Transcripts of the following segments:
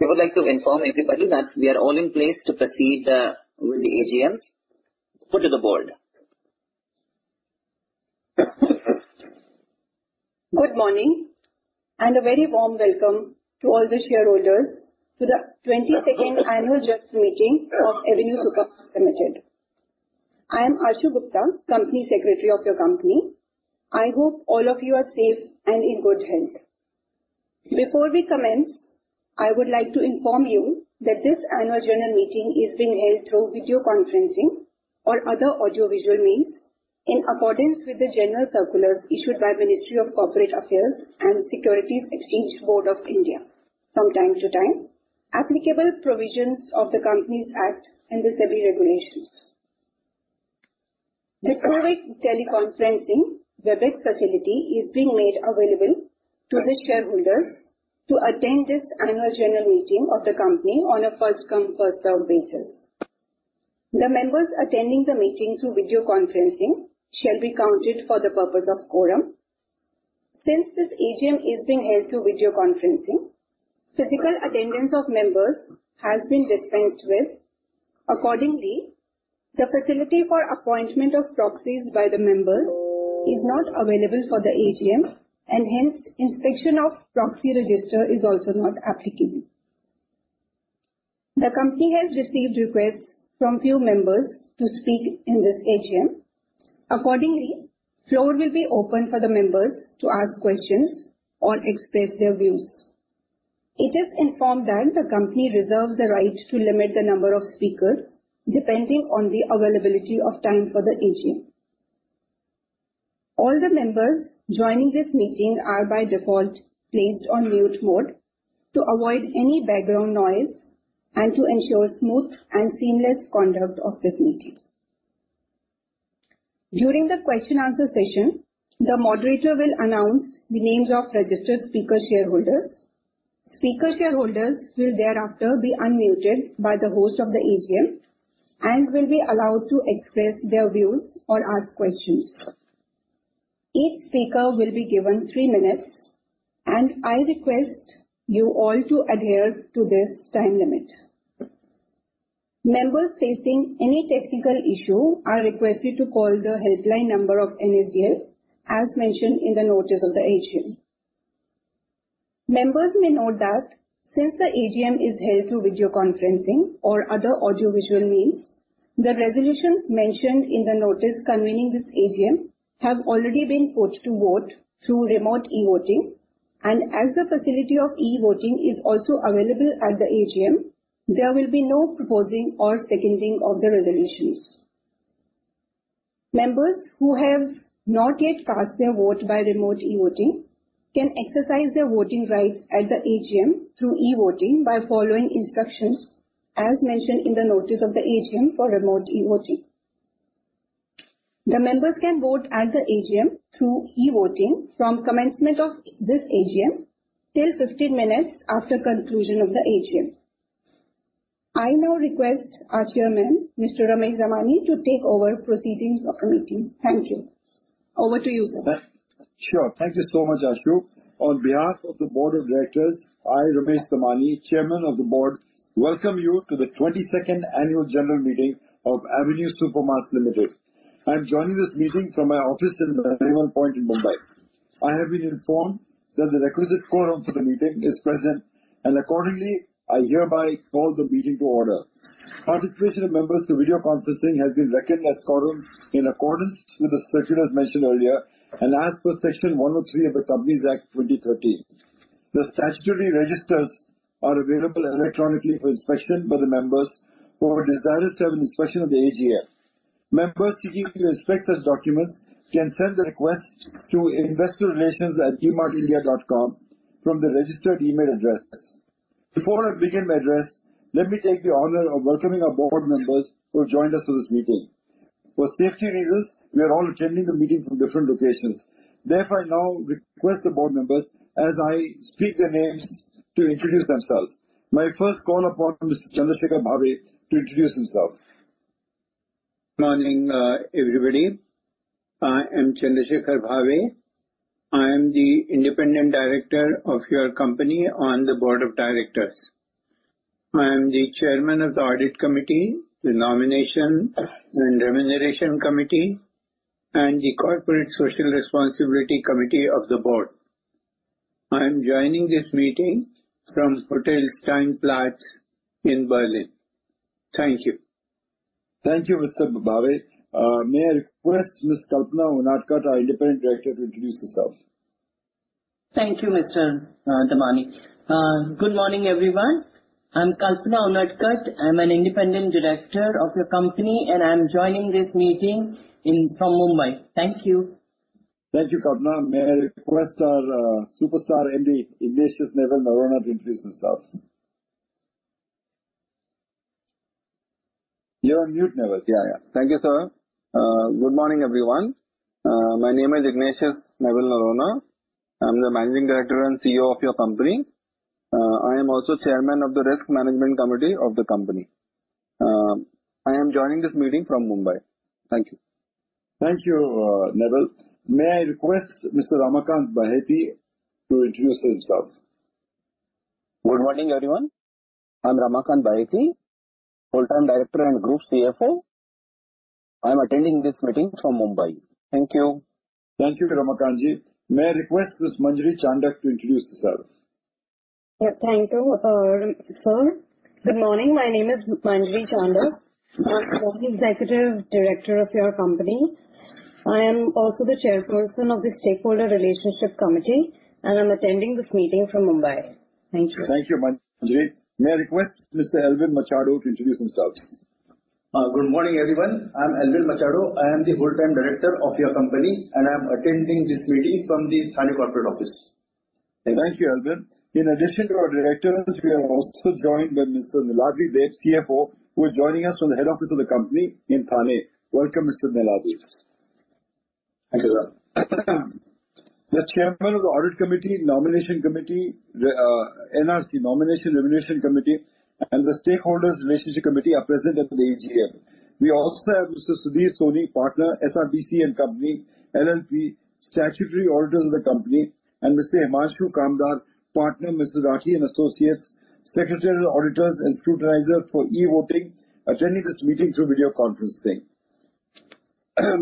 We would like to inform everybody that we are all in place to proceed with the AGM. Let's go to the board. Good morning, and a very warm welcome to all the shareholders to the 22nd Annual General Meeting of Avenue Supermarts Ltd. I am Ashu Gupta, Company Secretary of your company. I hope all of you are safe and in good health. Before we commence, I would like to inform you that this annual general meeting is being held through video conferencing or other audiovisual means in accordance with the general circulars issued by Ministry of Corporate Affairs and Securities and Exchange Board of India from time to time, applicable provisions of the Companies Act and the SEBI regulations. The two-way teleconferencing/ Webex facility is being made available to the shareholders to attend this annual general meeting of the company on a first-come, first-served basis. The members attending the meeting through video conferencing shall be counted for the purpose of quorum. Since this AGM is being held through video conferencing, physical attendance of members has been dispensed with. Accordingly, the facility for appointment of proxies by the members is not available for the AGM, and hence inspection of proxy register is also not applicable. The company has received requests from few members to speak in this AGM. Accordingly, floor will be open for the members to ask questions or express their views. It is informed that the company reserves the right to limit the number of speakers depending on the availability of time for the AGM. All the members joining this meeting are by default placed on mute mode to avoid any background noise and to ensure smooth and seamless conduct of this meeting. During the question-and-answer session, the moderator will announce the names of registered speaker shareholders. Shareholder speakers will thereafter be unmuted by the host of the AGM and will be allowed to express their views or ask questions. Each speaker will be given three minutes, and I request you all to adhere to this time limit. Members facing any technical issue are requested to call the helpline number of NSDL as mentioned in the notice of the AGM. Members may note that since the AGM is held through video conferencing or other audiovisual means, the resolutions mentioned in the notice convening this AGM have already been put to vote through remote e-voting. As the facility of e-voting is also available at the AGM, there will be no proposing or seconding of the resolutions. Members who have not yet cast their vote by remote e-voting can exercise their voting rights at the AGM through e-voting by following instructions as mentioned in the notice of the AGM for remote e-voting. The members can vote at the AGM through e-voting from commencement of this AGM till 15 minutes after conclusion of the AGM. I now request our chairman, Mr. Ramesh Damani, to take over proceedings of the meeting. Thank you. Over to you, sir. Sure. Thank you so much, Ashu. On behalf of the board of directors, I, Ramesh Damani, Chairman of the Board, welcome you to the 22nd Annual General Meeting of Avenue Supermarts Limited. I'm joining this meeting from my office in Nariman Point in Mumbai. I have been informed that the requisite quorum for the meeting is present, and accordingly, I hereby call the meeting to order. Participation of members through video conferencing has been reckoned as quorum in accordance with the circulars mentioned earlier and as per Section 103 of the Companies Act, 2013. The statutory registers are available electronically for inspection by the members who desire to have an inspection of the AGM. Members seeking to inspect such documents can send the request to investorrelations@dmartindia.com from the registered email address. Before I begin my address, let me take the honor of welcoming our board members who have joined us for this meeting. For safety reasons, we are all attending the meeting from different locations. Therefore, I now request the board members as I speak their names to introduce themselves. My first call upon Mr. Chandrashekhar Bhave to introduce himself. Morning, everybody. I am Chandrashekhar Bhave. I am the Independent Director of your company on the board of directors. I am the Chairman of the Audit Committee, the Nomination and Remuneration Committee, and the Corporate Social Responsibility Committee of the board. I am joining this meeting from Steigenberger Hotel in Berlin. Thank you. Thank you, Mr. Bhave. May I request Ms. Kalpana Unadkat, our Independent Director, to introduce herself. Thank you, Mr. Damani. Good morning, everyone. I'm Kalpana Unadkat. I'm an independent Director of your company, and I'm joining this meeting from Mumbai. Thank you. Thank you, Kalpana. May I request our superstar MD, Ignatius Navil Noronha, to introduce himself. You're on mute, Navil. Yeah, yeah. Thank you, sir. Good morning, everyone. My name is Ignatius Navil Noronha. I'm the Managing Director and CEO of your company. I am also chairman of the Risk Management Committee of the company. I am joining this meeting from Mumbai. Thank you. Thank you, Navil. May I request Mr. Ramakant Baheti to introduce himself. Good morning, everyone. I'm Ramakant Baheti, Whole-time Director and Group CFO. I'm attending this meeting from Mumbai. Thank you. Thank you, Ramakant Baheti. May I request Ms. Manjri Chandak to introduce herself. Thank you, sir. Good morning. My name is Manjri Chandak. I'm the Executive Director of your company. I am also the Chairperson of the Stakeholder Relationship Committee, and I'm attending this meeting from Mumbai. Thank you. Thank you, Manjri. May I request Mr. Elvin Machado to introduce himself. Good morning, everyone. I'm Elvin Machado. I am the Whole-time Director of your company, and I'm attending this meeting from the Thane Corporate Office. Thank you. Thank you, Elvin. In addition to our directors, we are also joined by Mr. Niladri Deb, CFO, who is joining us from the head office of the company in Thane. Welcome, Mr. Niladri. Thank you. The chairman of the audit committee, nomination committee, NRC, nomination remuneration committee, and the stakeholders relationship committee are present at the AGM. We also have Mr. Sudhir Soni, Sartner, SRBC & Co., LLP, statutory Auditors of the company, and Mr. Himanshu Kamdar, Partner, Rathi & Associates, Secretarial Auditors and scrutinizer for e-voting, attending this meeting through video conferencing.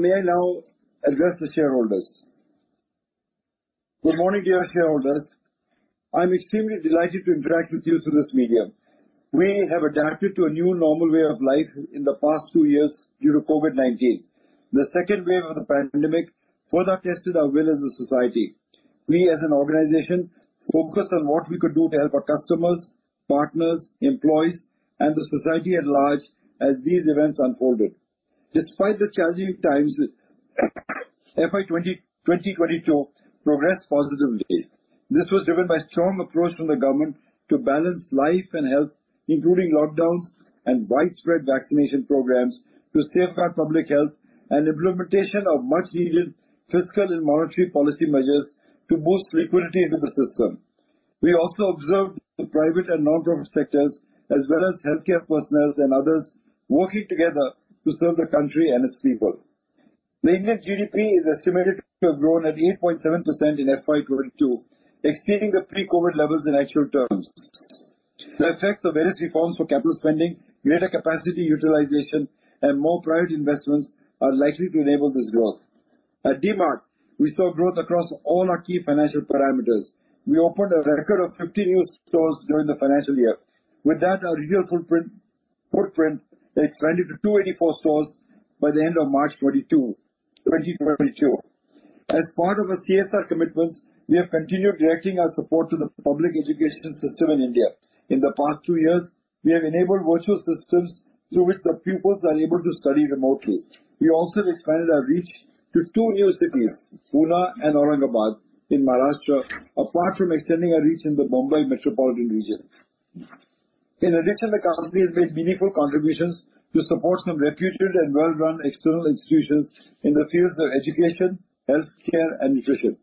May I now address the shareholders. Good morning, dear shareholders. I'm extremely delighted to interact with you through this medium. We have adapted to a new normal way of life in the past two years due to COVID-19. The second wave of the pandemic further tested our will as a society. We, as an organization, focused on what we could do to help our customers, partners, employees, and the society at large as these events unfolded. Despite the challenging times, FY 2022 progressed positively. This was driven by strong approach from the government to balance life and health, including lockdowns and widespread vaccination programs to safeguard public health and implementation of much needed fiscal and monetary policy measures to boost liquidity into the system. We also observed the private and non-profit sectors, as well as healthcare partners and others, working together to serve the country and its people. The Indian GDP is estimated to have grown at 8.7% in FY 2022, exceeding the pre-COVID levels in actual terms. The effects of various reforms for capital spending, greater capacity utilization, and more private investments are likely to enable this growth. At DMart, we saw growth across all our key financial parameters. We opened a record of 50 new stores during the financial year. With that, our retail footprint expanded to 284 stores by the end of March 2022. As part of our CSR commitments, we have continued directing our support to the public education system in India. In the past two years, we have enabled virtual systems through which the pupils are able to study remotely. We also expanded our reach to two new cities, Pune and Aurangabad in Maharashtra, apart from extending our reach in the Bombay metropolitan region. In addition, the company has made meaningful contributions to support some reputed and well-run external institutions in the fields of education, healthcare, and nutrition.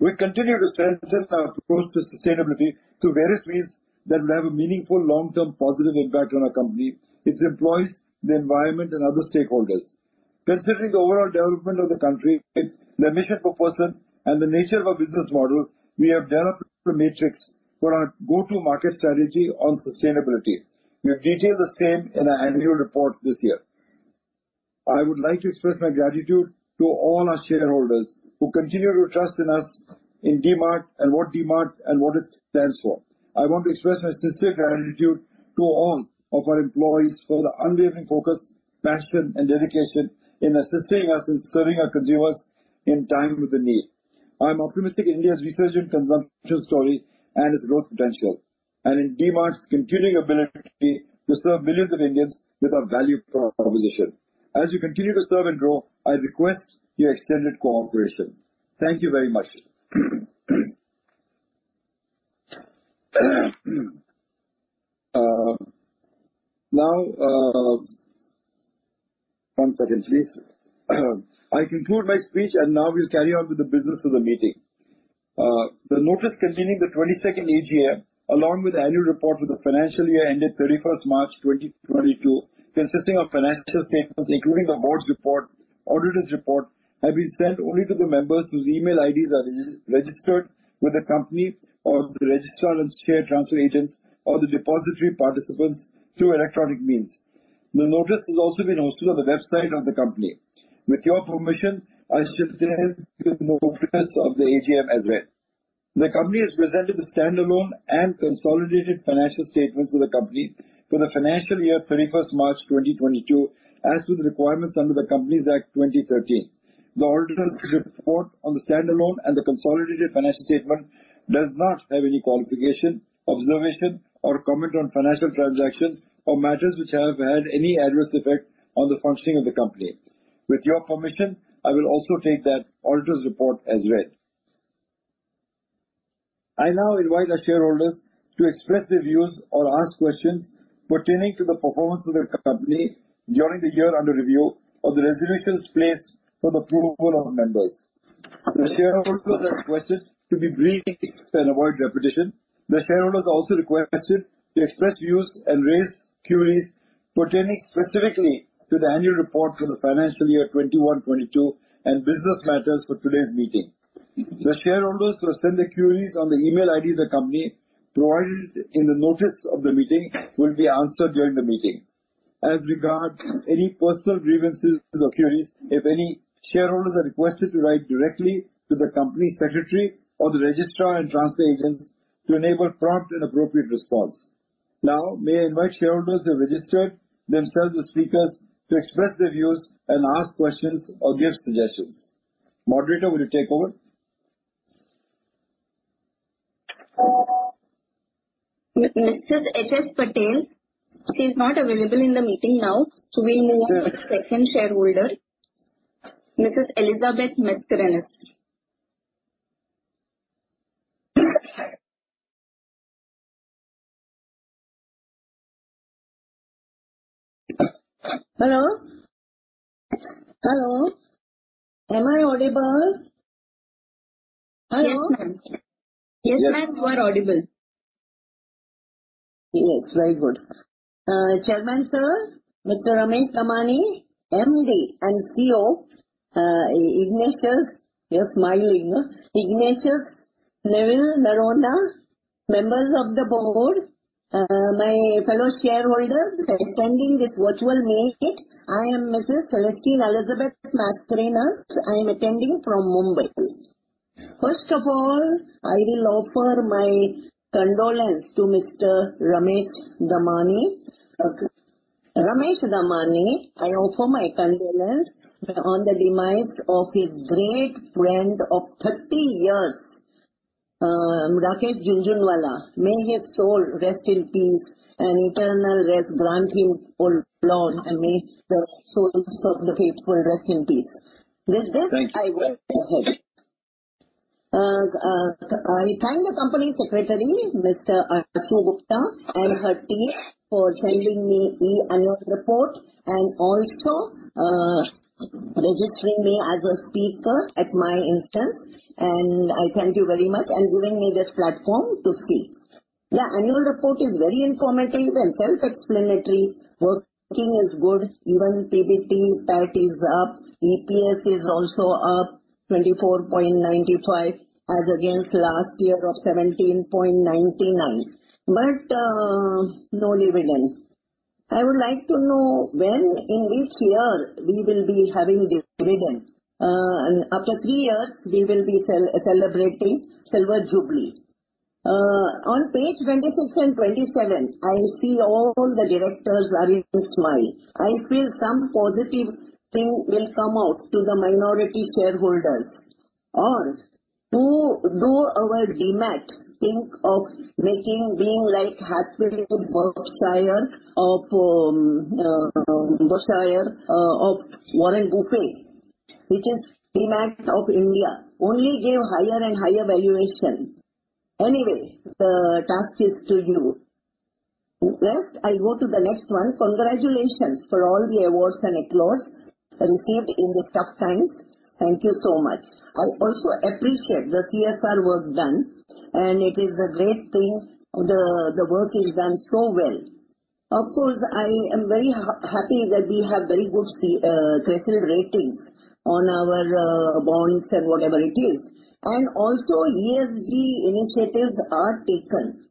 We continue to strengthen our approach to sustainability through various means that will have a meaningful long-term positive impact on our company, its employees, the environment, and other stakeholders. Considering the overall development of the country, the mission per person, and the nature of our business model, we have developed a matrix for our go-to-market strategy on sustainability. We have detailed the same in our annual report this year. I would like to express my gratitude to all our shareholders who continue to trust in us in DMart and what it stands for. I want to express my sincere gratitude to all of our employees for their unwavering focus, passion, and dedication in assisting us in serving our consumers in tune with the need. I am optimistic about India's resurgent consumption story and its growth potential, and in DMart's continuing ability to serve millions of Indians with our value proposition. As we continue to serve and grow, I request your extended cooperation. Thank you very much. I conclude my speech, and now we'll carry on with the business of the meeting. The notice containing the 22nd AGM, along with annual report for the financial year ended 31st March 2022, consisting of financial statements, including the board's report, auditor's report, have been sent only to the members whose email IDs are registered with the company or the registrar and share transfer agents or the depository participants through electronic means. The notice has also been hosted on the website of the company. With your permission, I shall take the notice of the AGM as read. The company has presented the standalone and consolidated financial statements of the company for the financial year 31st March 2022, as to the requirements under the Companies Act, 2013. The auditor's report on the standalone and the consolidated financial statement does not have any qualification, observation, or comment on financial transactions or matters which have had any adverse effect on the functioning of the company. With your permission, I will also take that auditor's report as read. I now invite our shareholders to express their views or ask questions pertaining to the performance of their company during the year under review or the resolutions placed for the approval of the members. The shareholders are requested to be brief and avoid repetition. The shareholders are also requested to express views and raise queries pertaining specifically to the annual report for the FY 2021-2022 and business matters for today's meeting. The shareholders who have sent their queries on the email ID of the company provided in the notice of the meeting will be answered during the meeting. As regards any personal grievances or queries, if any, shareholders are requested to write directly to the Company Secretary or the Registrar and Transfer Agent to enable prompt and appropriate response. Now, may I invite shareholders who have registered themselves as speakers to express their views and ask questions or give suggestions. Moderator, will you take over? Mrs. H. S. Patel, she's not available in the meeting now, so we move on to the second shareholder, Mrs. Elizabeth Mascarenhas. Hello? Hello? Am I audible? Hello? Yes, ma'am. Yes, ma'am, you are audible. Yes. Very good. Chairman Sir, Mr. Ramesh Damani, MD and CEO, Ignatius Navil Noronha, members of the board, my fellow shareholders attending this virtual meet, I am Mrs. Celestine Elizabeth Mascarenhas. I'm attending from Mumbai. First of all, I will offer my condolence to Mr. Ramesh Damani. Ramesh Damani, I offer my condolence on the demise of his great friend of 30 years, Rakesh Jhunjhunwala. May his soul rest in peace and eternal rest grant him, oh, Lord, and may the souls of the faithful rest in peace. With this, I go ahead. I thank the Company Secretary, Mr. Ashu Gupta, and her team for sending me the annual report and also registering me as a speaker at my insistence, and I thank you very much for giving me this platform to speak. The annual report is very informative and self-explanatory. Working is good. Even PBT PAT is up. EPS is also up 24.95 as against last year of 17.99. No dividend. I would like to know when in this year we will be having dividend. After three years, we will be celebrating silver jubilee. On page 26 and 27, I see all the directors are smiling. I feel some positive thing will come out to the minority shareholders. To do our DMart, think of making being like Berkshire Hathaway of Warren Buffett, which is DMart of India. Only give higher and higher valuation. Anyway, the task is to you. Rest, I go to the next one. Congratulations for all the awards and accolades received in this tough times. Thank you so much. I also appreciate the CSR work done, and it is a great thing the work is done so well. Of course, I am very happy that we have very good credit ratings on our bonds and whatever it is. Also ESG initiatives are taken.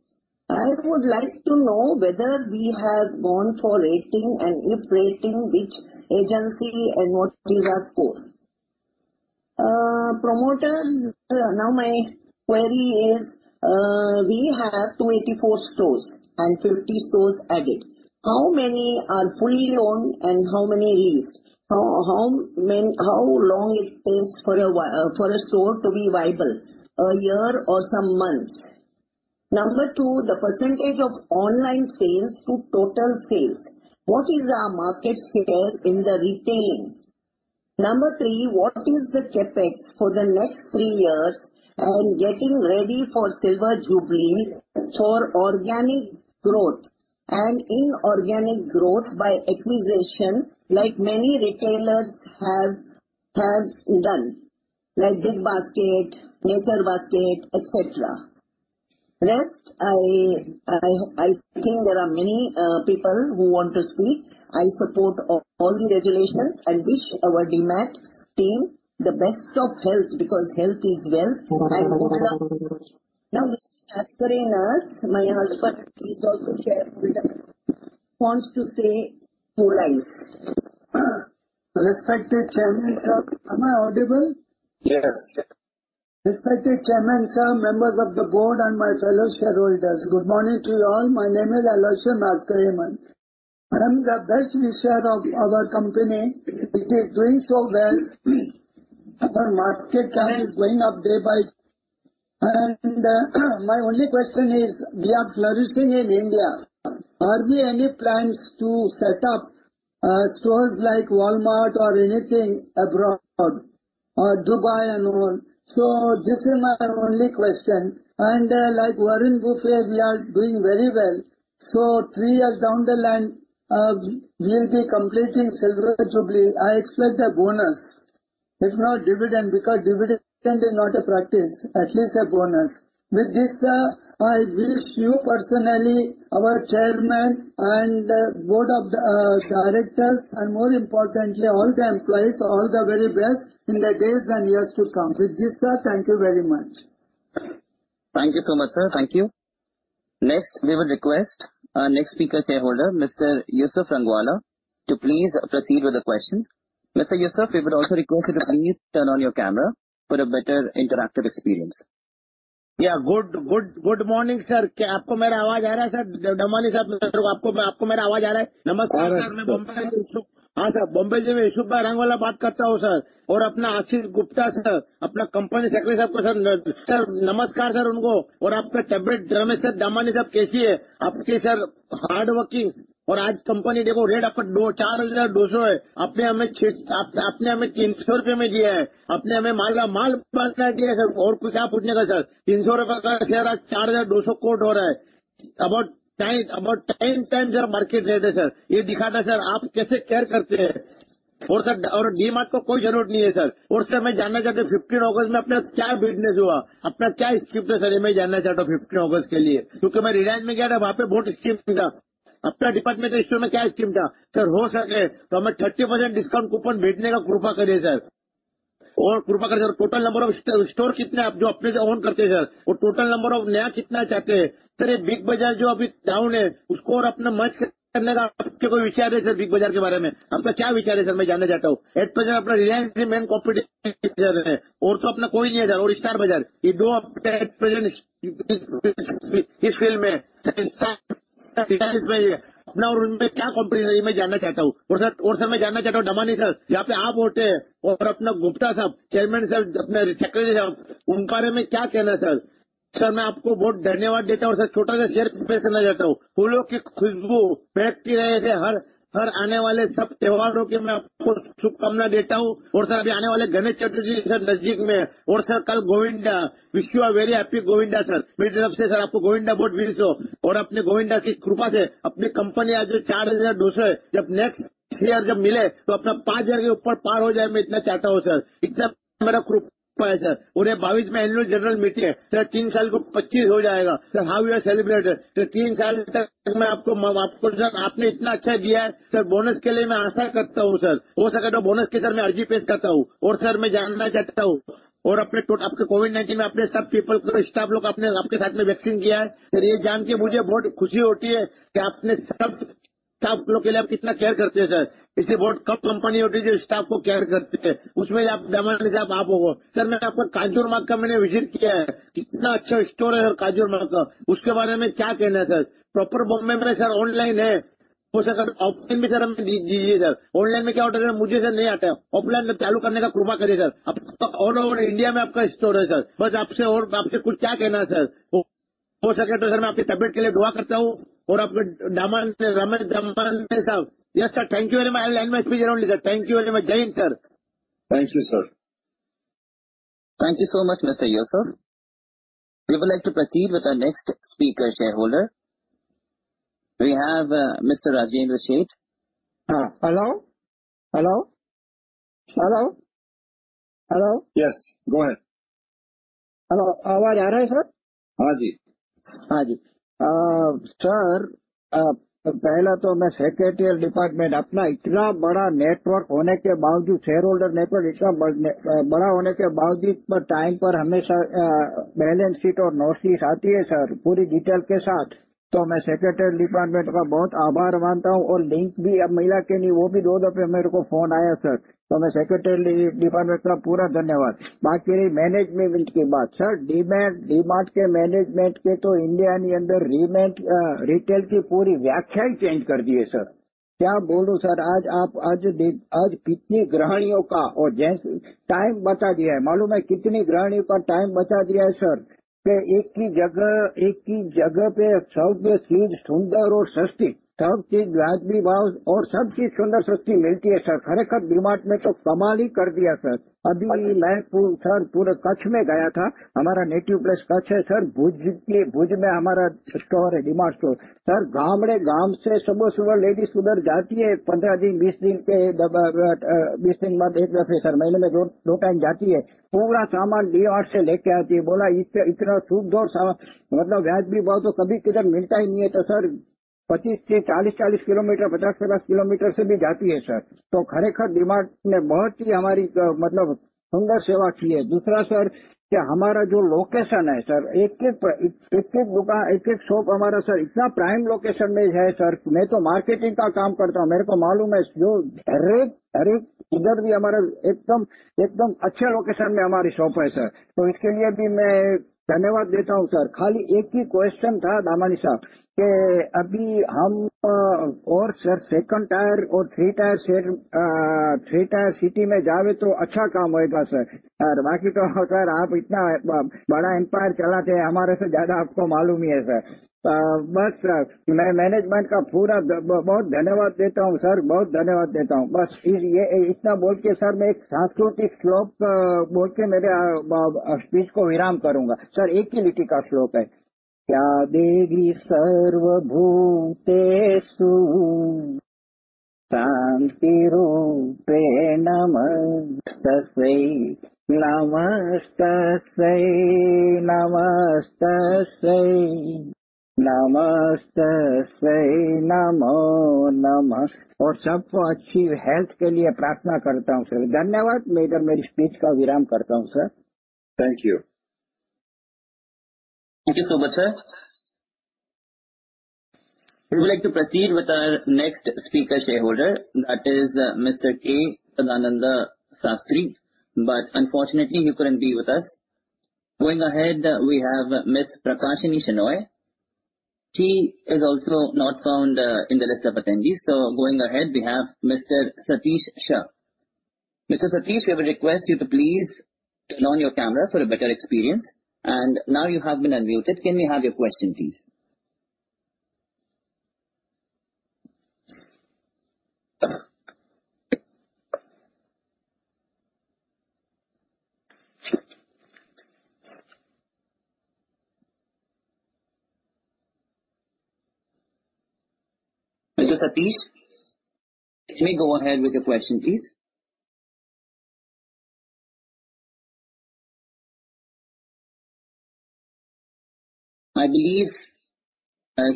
I would like to know whether we have gone for rating and if rating, which agency and what is our score. Promoters, now my query is, we have 24 stores and 50 stores added. How many are fully owned and how many leased? How long it takes for a store to be viable, a year or some months? Number two, the percentage of online sales to total sales. What is our market share in the retail? Number three, what is the CapEx for the next three years and getting ready for silver jubilee for organic growth and inorganic growth by acquisition like many retailers have done, like BigBasket, Nature's Basket, et cetera. Rest, I think there are many people who want to speak. I support all the resolutions. I wish our DMart team the best of health because health is wealth and good luck. Now, Mr. Aloysius Mascarenhas, my husband, he's also shareholder, wants to say two lines. Respected Chairman, Sir. Am I audible? Yes. Respected Chairman, Sir, members of the board and my fellow shareholders, good morning to you all. My name is Aloysius Mascarenhas. I'm a shareholder of our company. It is doing so well. Our market share is going up day by day, and my only question is, we are flourishing in India. Are there any plans to set up stores like Walmart or anything abroad or Dubai and all? This is my only question. Like Warren Buffett, we are doing very well. Three years down the line, we will be completing silver jubilee. I expect a bonus if not dividend because dividend is not a practice. At least a bonus. With this sir I wish you personally our chairman and board of directors and more importantly all the employees all the very best in the days and years to come. With this, sir, thank you very much. Thank you so much sir. Thank you. Next we will request our next speaker shareholder Mr. Yusuf Rangwala to please proceed with the question. Mr. Yusuf, we would also request you to please turn on your camera for a better interactive experience. Good morning, sir. क्या आपको मेरा आवाज़ आ रहा है, sir? दमानि साहब, आपको मेरा आवाज़ आ रहा है। नमस्कार sir, मैं मुंबई से यूसुफ, हाँ sir, मुंबई से मैं यूसुफ भाई रंगवाला बात करता हूँ sir। अपना Ashu Gupta sir, अपना Company Secretary साहब को sir, नमस्कार sir उनको। और आपका तबीयत, रमेश sir, दमानि साहब, कैसी है। आपकी sir hard working और आज company देखो, rate आपका ₹4,200 है। आपने हमें ₹300 में दिया है। आपने हमें माल का माल, माल दिया है sir। तीन सौ रूपए का share आज ₹4,200 quote हो रहा है। About time, about ten times your market they they sir। यह दिखाता है sir आप कैसे care करते हैं। DMart को कोई जरूरत नहीं है sir। मैं जानना चाहता हूँ 15 August में अपना क्या business हुआ। अपना क्या scheme था sir, ये मैं जानना चाहता हूँ 15 August के लिए। क्योंकि मैं Reliance में गया था, वहाँ पर बहुत scheme था। अपना department store में क्या scheme था। हो सके तो हमें 30% discount coupon भेजने का कृपा करिए sir। कृपा करके total number of store कितने हैं आप जो अपने से own करते हैं sir और total number of नया कितना चाहते हैं। हूँ sir। इतना मेरा कृपा है sir। और 2022 में annual general meeting है। Sir तीन साल को 2025 हो जाएगा। Sir how we are celebrate it? Sir, तीन साल तक मैं आपको, आपको जब आपने इतना अच्छा दिया है sir, bonus के लिए मैं आशा करता हूँ sir। हो सके तो bonus के sir मैं अर्जी पेश करता हूँ। और sir मैं जानना चाहता हूँ और अपने तो आपके Covid-19 में अपने सब people को staff लोग आपने आपके साथ में vaccine किया है। Sir, यह जानके मुझे बहुत खुशी होती है कि आपने सब staff लोगों के लिए आप कितना care करते हैं sir। इसे बहुत कम company होती जो staff को care करते हैं। उसमें आप Damani साहब आप हो। Sir, मैं आपका कांजुरमार्ग का मैंने visit किया है। कितना अच्छा store है कांजुरमार्ग का। उसके बारे में क्या कहना है sir। Proper मुंबई में sir online है। हो सके तो offline भी sir हमें दीजिए sir। Online में क्या order है मुझे sir नहीं आता। Offline में चालू करने का कृपा करिए sir। All over India में आपका store है sir। बस आपसे और आपसे कुछ क्या कहना है sir। हो सके तो sir मैं आपकी तबीयत के लिए दुआ करता हूँ और अपने Damani, Ramesh Damani sir, yes sir, thank you very much. I will end my speech around here. Thank you very much. Jai Hind sir. Thank you sir. Thank you so much Mr. Yusuf. We would like to proceed with our next speaker shareholder. We have Mr. Rajendra Sheth. Hello. Yes, go ahead. Hello, आवाज़ आ रहा है sir? हाँ जी। Sir, पहले तो मैं secretary department का, इतना बड़ा network होने के बावजूद, shareholder network इतना बड़ा होने के बावजूद, time पर हमेशा balance sheet और notes sheet आती है sir, पूरी detail के साथ। तो मैं secretary department का बहुत आभार मानता हूँ। और link भी मिला कि नहीं, वो भी दो दफे मेरे को phone आया sir। तो मैं secretary department का पूरा धन्यवाद। बाकी management की बात sir, DMart के management ने तो India के अंदर retail की पूरी व्याख्या ही change कर दी है sir। क्या बोलूं sir, आज कितनी गृहणियों का time बचा दिया है। मालूम है कितनी गृहणियों का time बचा दिया है sir। एक ही जगह पे सब चीज सुंदर और सस्ती, सब चीज बहुत अच्छी और सब चीज सुंदर सस्ती मिलती है sir। खरेखर DMart ने तो कमाल ही कर दिया sir। अभी मैं sir पूरा कच्छ में गया था। हमारा native place कच्छ है sir। भुज में हमारा DMart store है sir। गाँव से सब women ladies उधर जाती है। 20 दिन बाद एक दफे, महीने में दो time जाती है। पूरा सामान DMart से लेकर आती है। बोला इतना सुखद सामान, मतलब इतना अच्छा कभी किधर मिलता ही नहीं है। तो sir 25 से 40, 50 km से भी जाती है sir। तो खरेखर DMart ने बहुत ही सुंदर सेवा की है। दूसरा sir कि हमारा जो location है, एक एक दुकान, एक एक shop हमारा sir इतने prime location में है sir। मैं तो marketing का काम करता हूँ, मेरे को मालूम है। हर एक, हर एक इधर भी हमारा एकदम अच्छे location में हमारी shop है sir। तो इसके लिए भी मैं धन्यवाद देता हूँ sir। खाली एक ही question था Damani sir कि अभी हम और second tier और third tier city में जावे तो अच्छा काम होगा sir। और बाकी तो sir आप इतना बड़ा empire चलाते हैं, हमारे से ज्यादा आपको मालूम ही है sir। बस sir मैं management का पूरा बहुत धन्यवाद देता हूँ sir। बहुत धन्यवाद देता हूँ। बस यह इतना बोलके sir मैं एक सांस्कृतिक श्लोक बोलके अपनी speech को विराम करूंगा। Sir एक ही लाइन का श्लोक है। या देवी सर्वभूतेषु। और सबको अच्छी health के लिए प्रार्थना करता हूँ sir। धन्यवाद। मैं इधर मेरी speech का विराम करता हूँ sir। Thank you. Thank you so much, sir. We would like to proceed with our next speaker shareholder. That is Mr. K. Sadananda Sastry. Unfortunately he couldn't be with us. Going ahead, we have Miss Prakashini Shenoy. She is also not found in the list of attendees. Going ahead, we have Mr. Satish Shah. Mr. Satish, we will request you to please turn on your camera for a better experience. And now you have been unmuted. Can we have your question, please? Mr. Satish, may go ahead with your question, please. I believe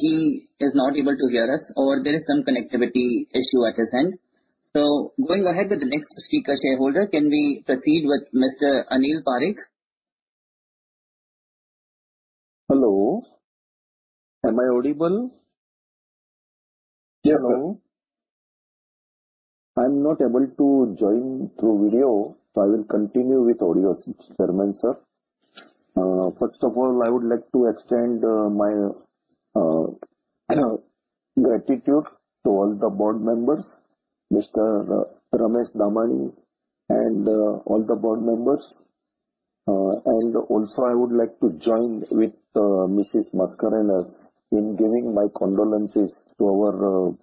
he is not able to hear us, or there is some connectivity issue at his end. Going ahead with the next speaker shareholder, can we proceed with Mr. Anil Parekh? Hello. Am I audible? Yes, sir. Hello. I'm not able to join through video, so I will continue with audio, Chairman sir. First of all, I would like to extend my gratitude to all the board members, Mr. Ramesh Damani and all the board members. Also I would like to join with Mrs. Mascarenhas in giving my condolences to our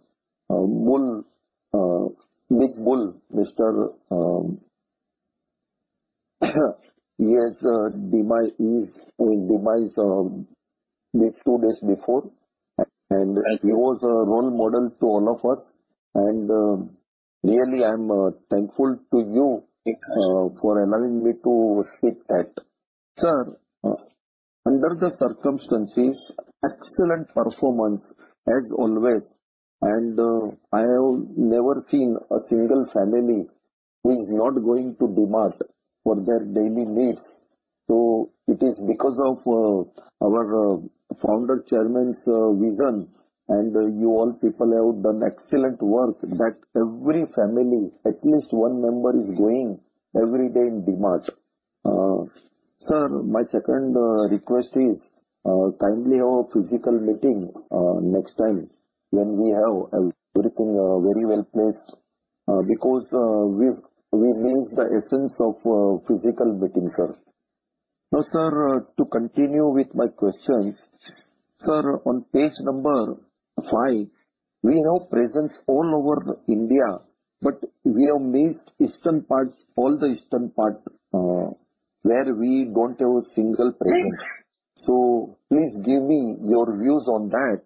Big Bull. Mr. he has demised just two days before. He was a role model to all of us. Really, I'm thankful to you for allowing me to speak that. Sir, under the circumstances, excellent performance as always. I have never seen a single family who is not going to DMart for their daily needs. It is because of our founder chairman's vision and you all people have done excellent work that every family, at least one member is going every day in DMart. Sir, my second request is kindly have a physical meeting next time when we have everything very well placed because we've missed the essence of physical meeting, sir. Now, sir, to continue with my questions. Sir, on page number five, we have presence all over India, but we have missed eastern parts, all the eastern part where we don't have a single presence. Please give me your views on that.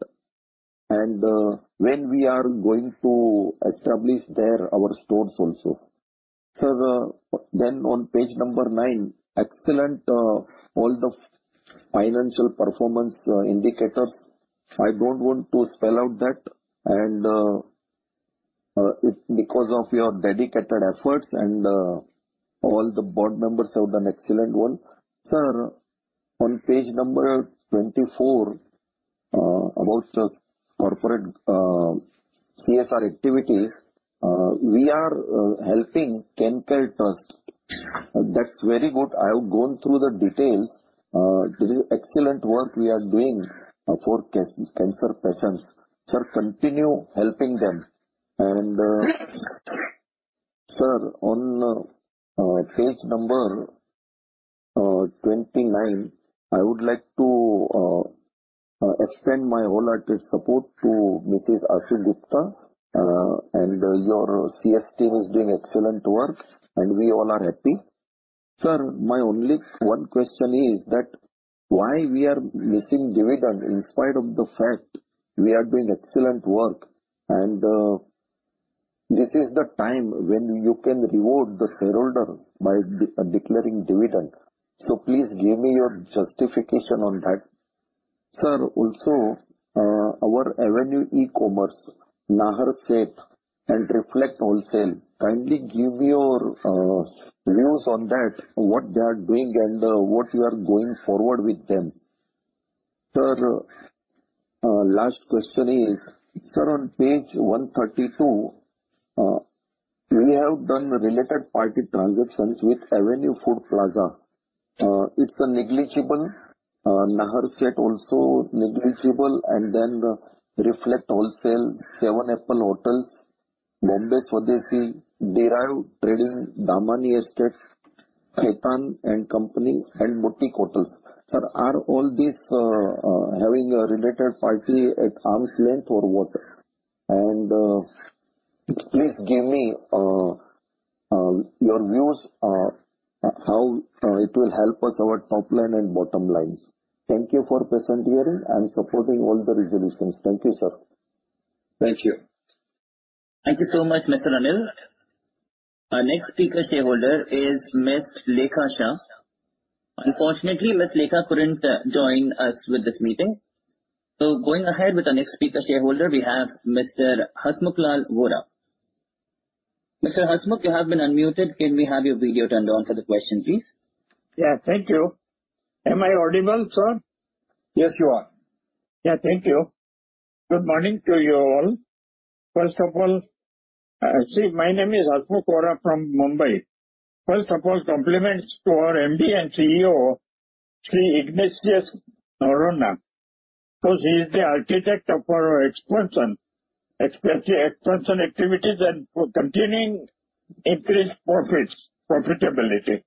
When we are going to establish there our stores also. Sir, then on page number nine, excellent all the financial performance indicators. I don't want to spell out that. It's because of your dedicated efforts, and all the board members have done excellent work. Sir, on page number 24, about the corporate CSR activities, we are helping CanCare Trust. That's very good. I have gone through the details. It is excellent work we are doing for cancer patients. Sir, continue helping them. Sir, on page number 29, I would like to extend my wholehearted support to Mrs. Ashu Gupta. Your CS team is doing excellent work, and we all are happy. Sir, my only one question is that why we are missing dividend in spite of the fact we are doing excellent work and this is the time when you can reward the shareholder by declaring dividend. Please give me your justification on that. Sir, also, our Avenue E-Commerce, Nahar Seth and Reflect Wholesale, kindly give your views on that. What they are doing and what you are going forward with them. Sir, last question is, sir, on page 132, we have done related party transactions with Avenue Food Plaza. It's a negligible. Nahar Seth also negligible. And then Reflect Wholesale, 7-Apple Hotels, Bombay Swadeshi, Derive Trading, Damani Estates, Khaitan & Co and Boutique Hotels. Sir, are all these having a related party at arm's length or what? And, please give me your views on how it will help us our top line and bottom lines. Thank you for patient hearing. I'm supporting all the resolutions. Thank you, sir. Thank you. Thank you so much, Mr. Anil Parekh. Our next speaker shareholder is Ms. Lekha Shah. Unfortunately, Ms. Lekha couldn't join us with this meeting. Going ahead with our next speaker shareholder, we have Mr. Hasmukhlal Vora. Mr. Hasmukh, you have been unmuted. Can we have your video turned on for the question, please? Yeah. Thank you. Am I audible, sir? Yes, you are. Yeah. Thank you. Good morning to you all. First of all, my name is Hasmukh Vora from Mumbai. First of all, compliments to our MD and CEO, Sri Ignatius Navil Noronha, 'cause he's the architect of our expansion, especially expansion activities and for continuing increased profits, profitability.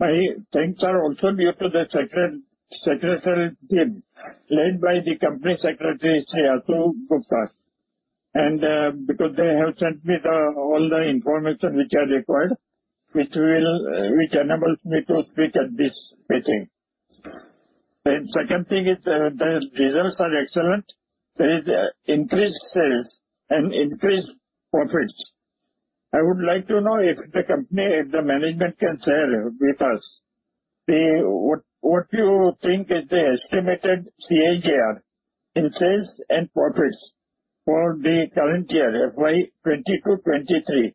My thanks are also due to the secretarial team led by the Company Secretary, Sri Ashu Gupta. Because they have sent me the all the information which are required, which will which enables me to speak at this meeting. Second thing is, the results are excellent. There is increased sales and increased profits. I would like to know if the company, if the management can share with us the what you think is the estimated CAGR in sales and profits for the current year, FY 2022/2023,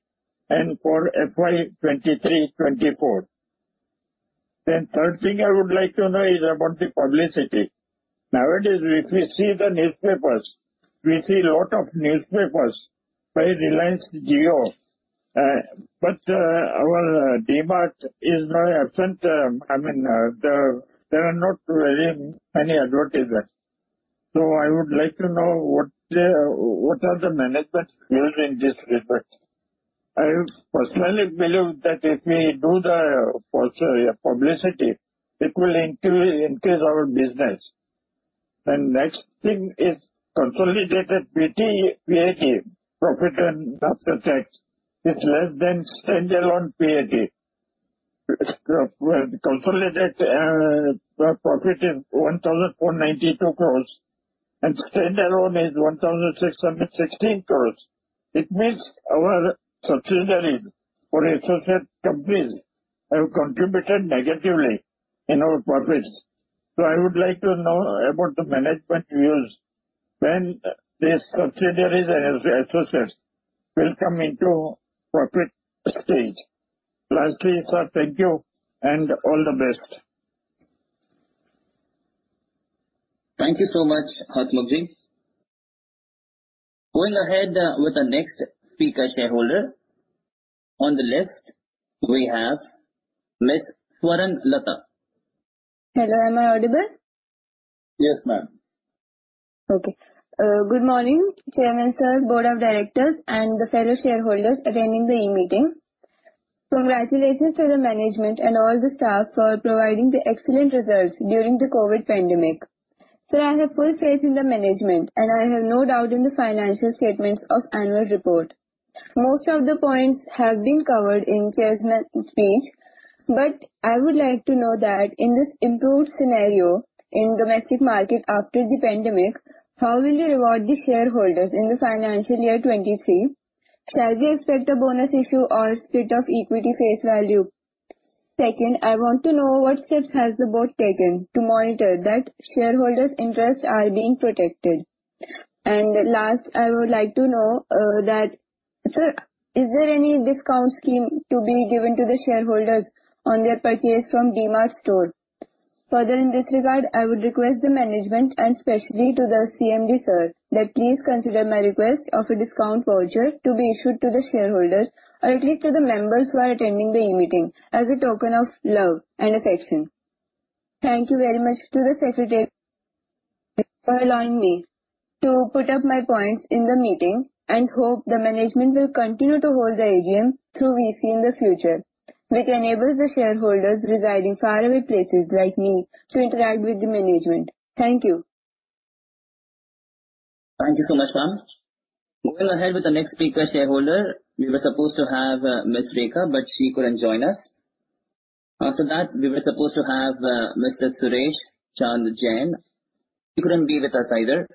and for FY 2023/2024. Third thing I would like to know is about the publicity. Nowadays, if we see the newspapers, we see a lot of newspapers by Reliance Jio. But our DMart is not absent. I mean, there are not very many advertisers. I would like to know what the management views are in this respect. I personally believe that if we do the poster publicity, it will increase our business. Next thing is consolidated PBT, PAT, profit after tax, is less than standalone PAT. Consolidated profit is 1,492 crores, and standalone is 1,616 crores. It means our subsidiaries or associate companies have contributed negatively in our profits. I would like to know about the management views when these subsidiaries and associates will come into profit stage. Lastly, sir, thank you and all the best. Thank you so much, Hasmukhji. Going ahead, with the next speaker shareholder. On the list we have Ms. Swaran Lata. Hello, am I audible? Yes, ma'am. Okay. Good morning, chairman sir, board of directors, and the fellow shareholders attending the e-meeting. Congratulations to the management and all the staff for providing the excellent results during the COVID pandemic. I have full faith in the management, and I have no doubt in the financial statements of annual report. Most of the points have been covered in chairman's speech, but I would like to know that in this improved scenario in domestic market after the pandemic, how will you reward the shareholders in the FY 2023? Shall we expect a bonus issue or split of equity face value? Second, I want to know what steps has the board taken to monitor that shareholders' interests are being protected. Last, I would like to know, sir, is there any discount scheme to be given to the shareholders on their purchase from DMart store? Further, in this regard, I would request the management and specially to the CMD, sir, that please consider my request of a discount voucher to be issued to the shareholders or at least to the members who are attending the e-meeting as a token of love and affection. Thank you very much to the secretary for allowing me to put up my points in the meeting and hope the management will continue to hold the AGM through VC in the future, which enables the shareholders residing far away places like me to interact with the management. Thank you. Thank you so much, ma'am. Going ahead with the next speaker shareholder. We were supposed to have Ms. Rekha, but she couldn't join us. After that, we were supposed to have Mr. Suresh Chand Jain. He couldn't be with us either.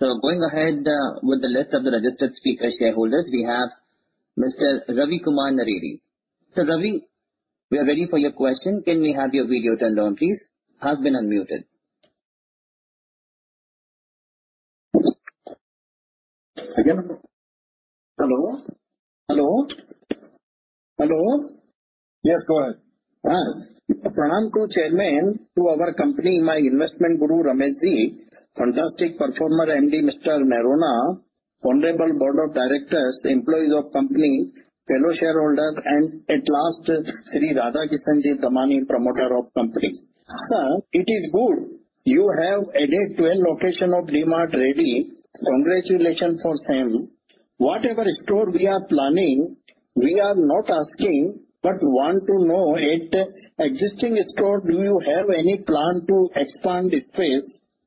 Going ahead with the list of the registered speaker shareholders, we have Mr. Ravi Kumar Naredi. Ravi, we are ready for your question. Can we have your video turned on, please? Have been unmuted. Hello? Yes, go ahead. Pranam to the Chairman, to our company, my investment guru, Ramesh Damani, fantastic performer MD, Mr. Navil Noronha, honorable board of directors, the employees of the company, fellow shareholders, and at last Shri Radhakishan Damani, promoter of the company. It is good you have added 12 locations of DMart Ready. Congratulations for the same. Whatever stores we are planning, we are not asking, but want to know at existing stores, do you have any plan to expand space?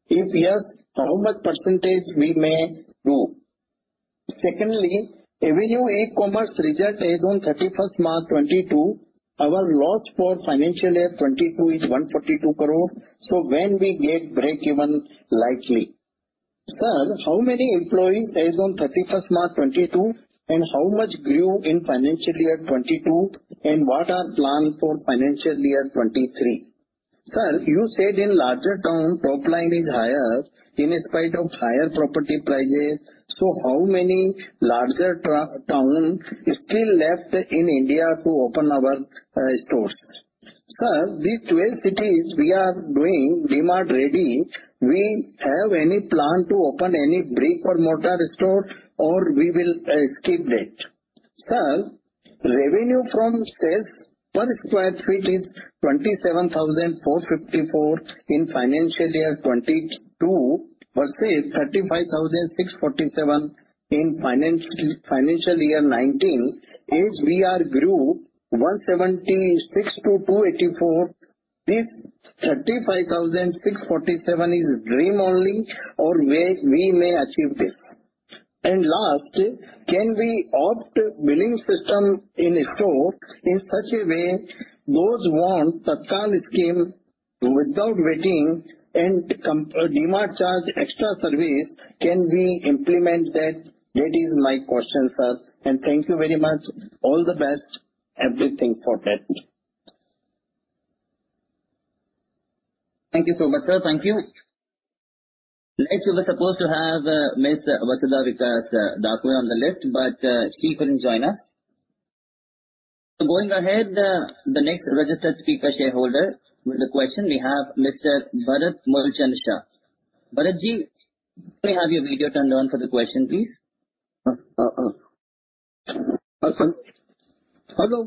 If yes, how much percentage we may do. Secondly, Avenue E-Commerce results as on 31st March 2022, our loss for fy 2022 is 142 crore. When we get breakeven likely. Sir, how many employees as on 31st March 2022 and how much grew in FY 2022 and what are plans for financial year 2023. Sir, you said in larger town top line is higher in spite of higher property prices. How many larger towns are still left in India to open our stores? Sir, these 12 cities we are doing DMart Ready. We have any plan to open any brick and mortar store or we will skip it. Sir, revenue from sales per sq ft is 27,454 in financial year 2022 versus 35,647 in FY 2019 as we grew 176 to 284. This 35,647 is dream only or where we may achieve this. Last, can we opt billing system in store in such a way those want Tatkal scheme without waiting and DMart charge extra service can we implement that. That is my question sir. Thank you very much. All the best everything for that. Thank you so much sir. Thank you. Next we were supposed to have Miss Vasudha Vikas Dakwan on the list, but she couldn't join us. Going ahead, the next registered speaker shareholder with the question we have Mr. Bharat Moolchand Shah. Bharat ji, may I have your video turned on for the question please? Hello,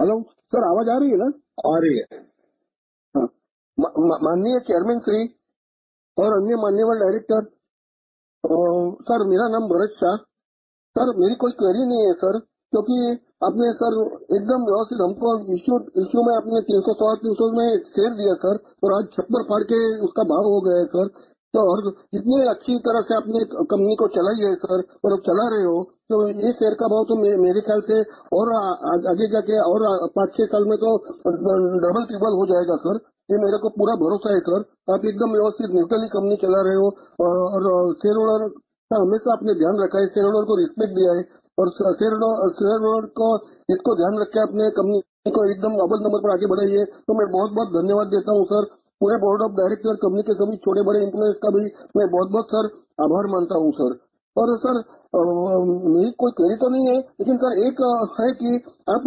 hello sir, आवाज आ रही है ना? आ रही है। माननीय Chairman Shri और अन्य माननीय Director sir, मेरा नाम Bharat Shah। sir मेरी कोई query नहीं है sir, क्योंकि आपने sir एकदम व्यवस्थित हमको issue में आपने 300 से more issues में share दिया sir और आज छप्पर फाड़ के उसका भाव हो गया है sir. तो और इतनी अच्छी तरह से आपने company को चलाया है sir और चला रहे हो तो यह share का भाव तो मेरे ख्याल से और आगे जाकर और पांच छह साल में तो double, triple हो जाएगा sir. यह मेरे को पूरा भरोसा है sir. आप एकदम व्यवस्थित neutral ही company चला रहे हो और shareholder का हमेशा आपने ध्यान रखा है। Shareholder को respect दिया है और shareholder को इतना ध्यान रखा, आपने company को एकदम global number पर आगे बढ़ाया है, तो मैं बहुत-बहुत धन्यवाद देता हूं sir. पूरे board of directors, company के सभी छोटे बड़े employees का भी मैं बहुत-बहुत sir आभार मानता हूं sir. और sir मेरी कोई query तो नहीं है, लेकिन sir एक है कि आप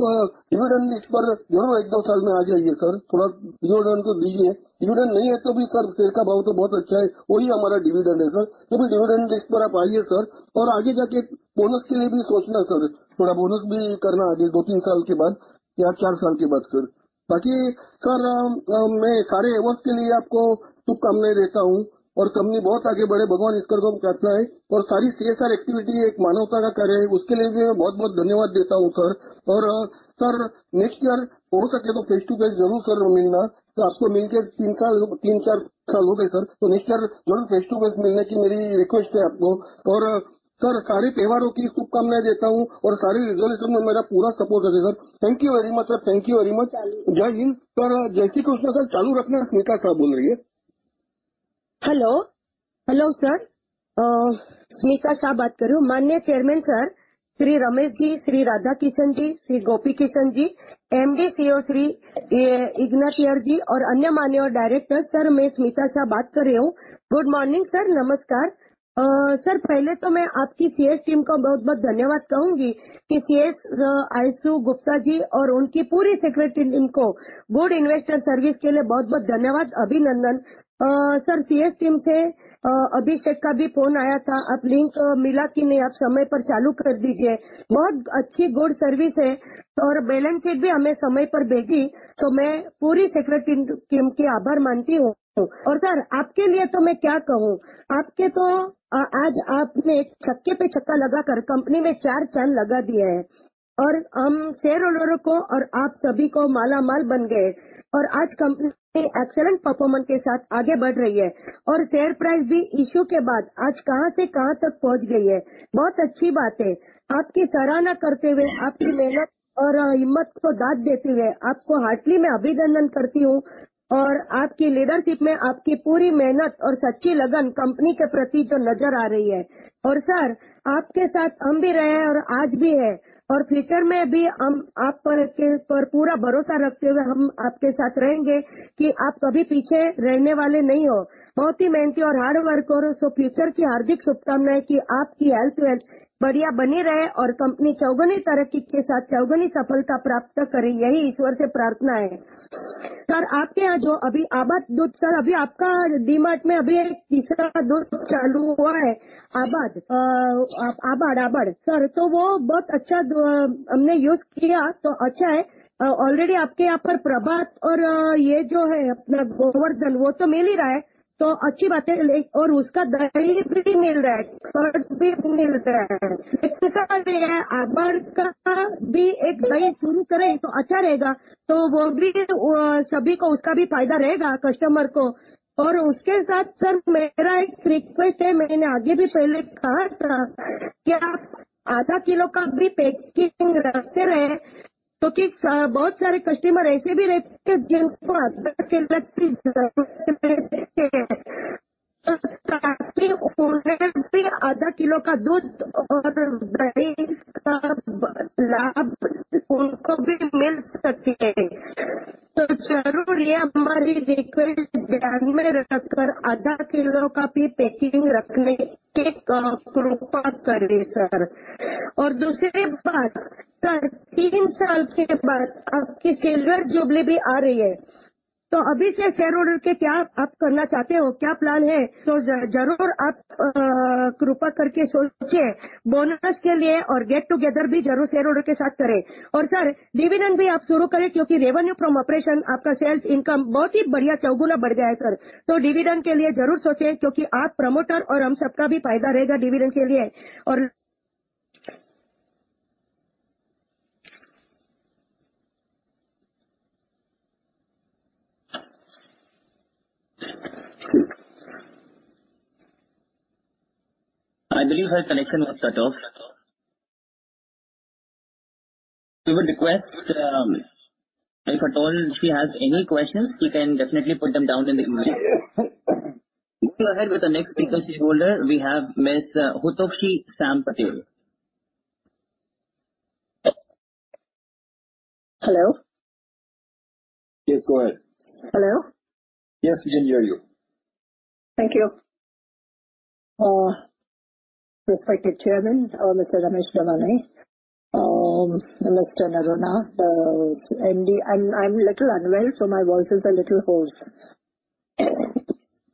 dividend list पर जरूर एक दो साल में आ जाइए sir. थोड़ा dividend तो दीजिए। Dividend नहीं है तो भी sir share का भाव तो बहुत अच्छा है। वही हमारा dividend है sir. तो dividend list पर आप आइए sir और आगे जाकर bonus के लिए भी सोचना sir. थोड़ा bonus भी करना, आगे दो तीन साल के बाद या चार साल के बाद sir. बाकी sir मैं सारे efforts के लिए आपको शुभकामनाएं देता हूं और company बहुत आगे बढ़े भगवान इस तरह से चाहता है और सारी CSR activity एक मानवता का करें उसके लिए भी मैं बहुत-बहुत धन्यवाद देता हूं sir. और sir next year हो सके तो face to face जरूर sir मिलना। आपको मिलके तीन साल, तीन चार साल हो गए sir. तो next year जरूर face to face मिलने की मेरी request है आपको और sir सारे परिवारों की शुभकामनाएं देता हूं और सारे resolution में मेरा पूरा support रहेगा sir. Thank you very much sir. Thank you very much. जय हिंद sir. जय श्री कृष्णा sir. चालू रखना। Smita Shah बोल रही है। Hello, hello sir, Smita Shah बात कर रही हूं। माननीय Chairman sir Shri Ramesh ji, Shri Radha Kishan ji, Shri Gopi Kishan ji, MD CEO Shri Ignatius ji और अन्य माननीय Director sir, मैं स्मिता शाह बात कर रही हूं। Good morning sir, नमस्कार sir, पहले तो मैं आपकी CS team का बहुत-बहुत धन्यवाद कहूंगी कि CS Ashu गुप्ता जी और उनकी पूरी secretary team को good investor service के लिए बहुत-बहुत धन्यवाद अभिनंदन। Sir, CS team से अभी check up का भी phone आया था। आप link मिला कि नहीं, आप समय पर चालू कर दीजिए। बहुत अच्छी good service है और balance sheet भी हमें समय पर भेजी तो मैं पूरी secretary team की आभार मानती हूं। और sir आपके लिए तो मैं क्या कहूं, आपके तो आज आपने एक छक्के पर छक्का लगाकर company में चार चाल लगा दी है और हम shareholder को और आप सभी को मालामाल बन गए और आज company excellent performance के साथ आगे बढ़ रही है और share price भी issue के बाद आज कहां से कहां तक पहुंच गई है। बहुत अच्छी बात है। आपकी सराहना करते हुए, आपकी मेहनत और हिम्मत को दाद देती हुए आपको heartily मैं अभिनंदन करती हूं और आपकी leadership में आपकी पूरी मेहनत और सच्ची लगन company के प्रति जो नजर आ रही है और sir आपके साथ हम भी रहे और आज भी है और future में भी हम आप पर पूरा भरोसा रखते हुए हम आपके साथ रहेंगे कि आप कभी पीछे रहने वाले नहीं हो। बहुत ही मेहनती और hard worker हो, so future की हार्दिक शुभकामनाएं कि आपकी health, wealth बढ़िया बनी रहे और company चौगुनी तरक्की के साथ चौगुनी सफलता प्राप्त करें यही ईश्वर से प्रार्थना है। Sir, आपके यहां जो अभी Aabad दूध sir, अभी आपका DMart में अभी एक तीसरा दूध चालू हुआ है Aabad, Aabad sir, तो वो बहुत अच्छा हमने use किया तो अच्छा है। Already आपके यहां पर Prabhat और यह जो है अपना Gowardhan वह तो मिल ही रहा है तो अच्छी बात है और उसका delivery मिल रहा है और भी मिल रहा है। तीसरा Aabad का भी एक day शुरू करें तो अच्छा रहेगा तो वह भी सभी को उसका भी फायदा रहेगा customer को। और उसके साथ sir मेरा एक request है मैंने आगे भी पहले कहा था कि आप आधा किलो का भी packing रखते रहे। Because many customers are also there who want half a kilo of milk so that they can also get the benefit of half a kilo of milk and dairy. It is necessary to keep our liquid milk in the can and also keep half a kilo packing, sir. Secondly, sir, after three years, your silver jubilee is also coming. What do you want to do for the shareholders from now on? What is the plan? Definitely think about it, sir. Think about the bonus and also definitely do a get-together with the shareholders. Sir, also start the dividend because your revenue from operation, your sales income has increased very well, sir. Definitely think about the dividend because you, the promoter, and all of us will also benefit from the dividend. I believe her connection was cut off. We would request, if at all she has any questions, she can definitely put them down in the email. Go ahead with the next speaker, shareholder. We have Ms. Hutokshi Sam Patel. Hello? Yes, go ahead. Hello? Yes, we can hear you. Thank you. Respected Chairman, Mr. Ramesh Damani. Mr. Navil Noronha, MD. I'm little unwell, so my voice is a little hoarse.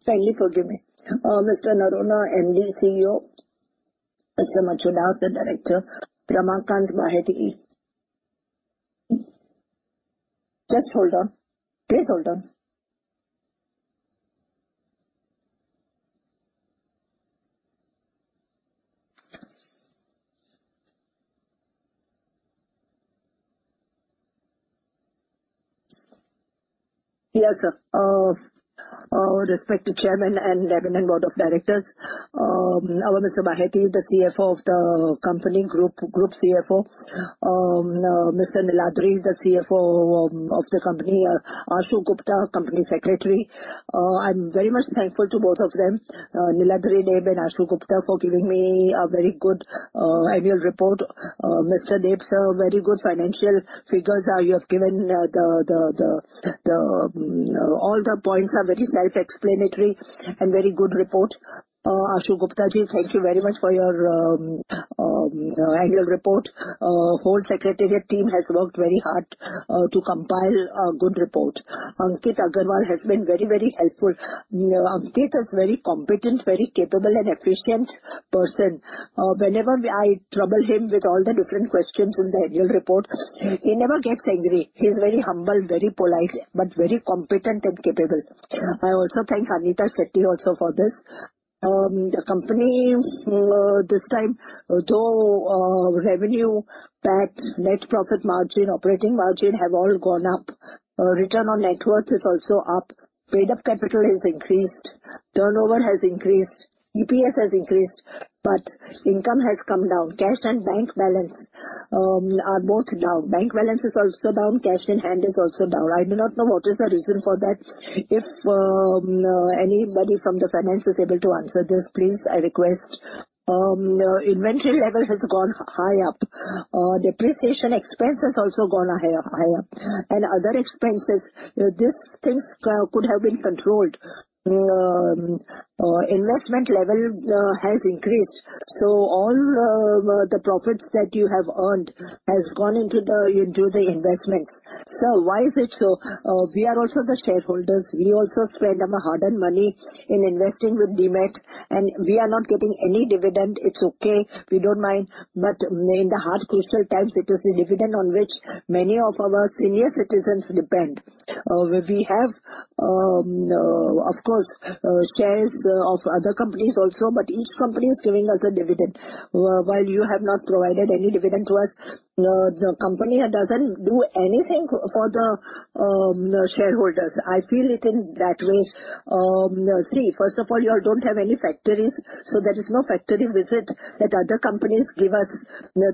Kindly forgive me. Mr. Navil Noronha, MD, CEO. Mr. Elvin Machado, the Director. Ramakant Baheti. Just hold on. Please hold on. Yes, sir. Respected Chairman and eminent board of directors. Our Mr. Baheti, the CFO of the company, group CFO. Mr. Niladri Deb, the CFO of the company. Ashu Gupta, Company Secretary. I'm very much thankful to both of them, Niladri Deb and Ashu Gupta, for giving me a very good annual report. Mr. Deb, sir, very good financial figures you have given. All the points are very self-explanatory and very good report. Ashu Gupta ji, thank you very much for your annual report. Whole secretariat team has worked very hard to compile a good report. Ankit Aggarwal has been very helpful. Ankit is very competent, very capable, and efficient person. Whenever I trouble him with all the different questions in the annual report, he never gets angry. He's very humble, very polite, but very competent and capable. I also thank Anita Shetty also for this. The company this time, though, revenue, PAT, net profit margin, operating margin have all gone up. Return on net worth is also up. Paid-up capital has increased. Turnover has increased. EPS has increased. Income has come down. Cash and bank balance are both down. Bank balance is also down. Cash in hand is also down. I do not know what is the reason for that. If anybody from the finance is able to answer this, please. I request. Inventory level has gone high up. Depreciation expense has also gone high up. Other expenses, these things, could have been controlled. Investment level has increased. All the profits that you have earned has gone into the investments. Sir, why is it so? We are also the shareholders. We also spend our hard-earned money in investing with DMart, and we are not getting any dividend. It's okay. We don't mind. In the hard, crucial times, it is the dividend on which many of our senior citizens depend. We have, of course, shares of other companies also, but each company is giving us a dividend while you have not provided any dividend to us. The company doesn't do anything for the shareholders. I feel it in that way. See, first of all, you all don't have any factories, so there is no factory visit that other companies give us.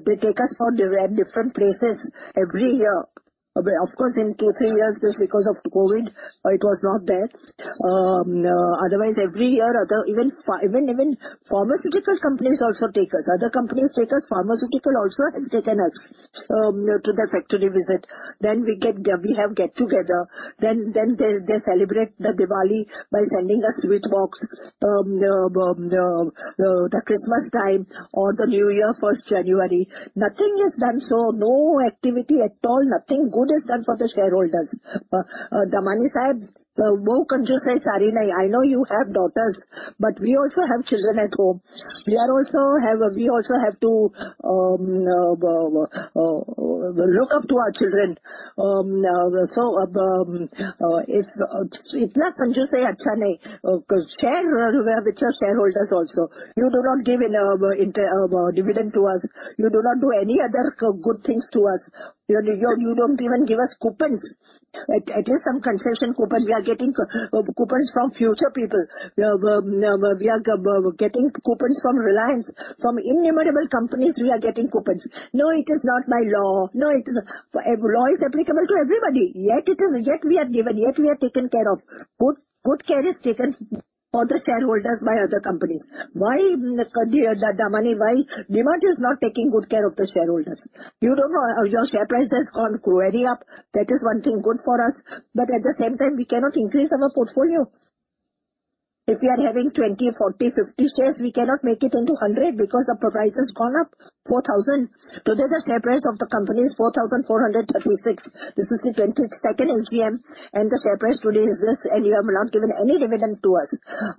They take us for different places every year. Of course, in two, three years, just because of COVID, it was not there. Otherwise, every year, other even pharmaceutical companies also take us. Other companies take us, pharmaceutical also have taken us to the factory visit. Then we have get-together. Then they celebrate the Diwali by sending us sweet box. The Christmas time or the New Year, first January. Nothing is done, so no activity at all. Nothing good is done for the shareholders. Damani Saheb, woh kanjoos hai sari nahi. I know you have daughters, but we also have children at home. We also have to look up to our children. If itna kanjoos hai, achha nahi. Share with your shareholders also. You do not give dividend to us. You do not do any other good things to us. You don't even give us coupons. At least some concession coupons. We are getting coupons from Future people. We are getting coupons from Reliance, from innumerable companies we are getting coupons. No, it is not by law. No, law is applicable to everybody, yet we are taken care of. Good care is taken for the shareholders by other companies. Why, Damani, why DMart is not taking good care of the shareholders? You know, your share price has gone very up. That is one thing good for us. At the same time, we cannot increase our portfolio. If we are having 20, 40, 50 shares, we cannot make it into 100 because the price has gone up 4,000 crores. Today, the share price of the company is 4,436 crores. This is the 22nd AGM, and the share price today is this, and you have not given any dividend to us.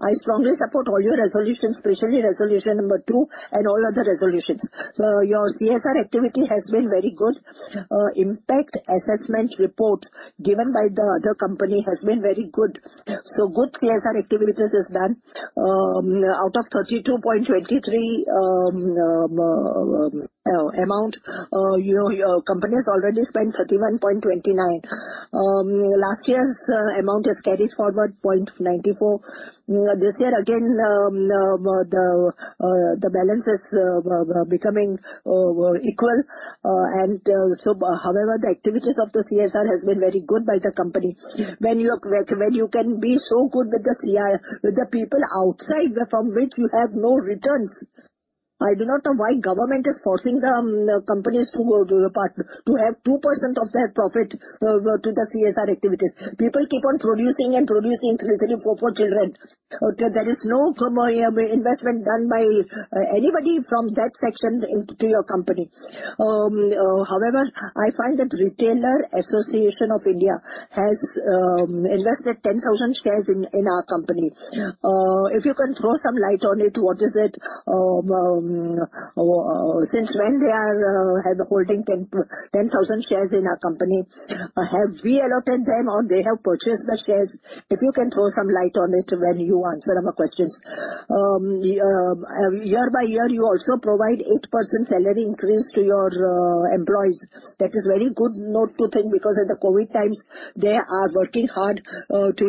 I strongly support all your resolutions, especially resolution number two and all other resolutions. Your CSR activity has been very good. Impact assessment report given by the other company has been very good. Good CSR activities is done. Out of 32.23 crores amount, your company has already spent 31.29 crores. Last year's amount has carried forward 0.94 crores. This year again, the balance is becoming equal. However, the activities of the CSR has been very good by the company. When you can be so good with the people outside from which you have no returns. I do not know why government is forcing the companies to have 2% of their profit to the CSR activities. People keep on producing three, four children. There is no investment done by anybody from that section into your company. However, I find that Retailers Association of India has invested 10,000 shares in our company. If you can throw some light on it, what is it? Since when they are holding 10,000 shares in our company? Have we allotted them or they have purchased the shares? If you can throw some light on it when you answer our questions. Year by year, you also provide 8% salary increase to your employees. That is very good note to think, because at the COVID times, they are working hard to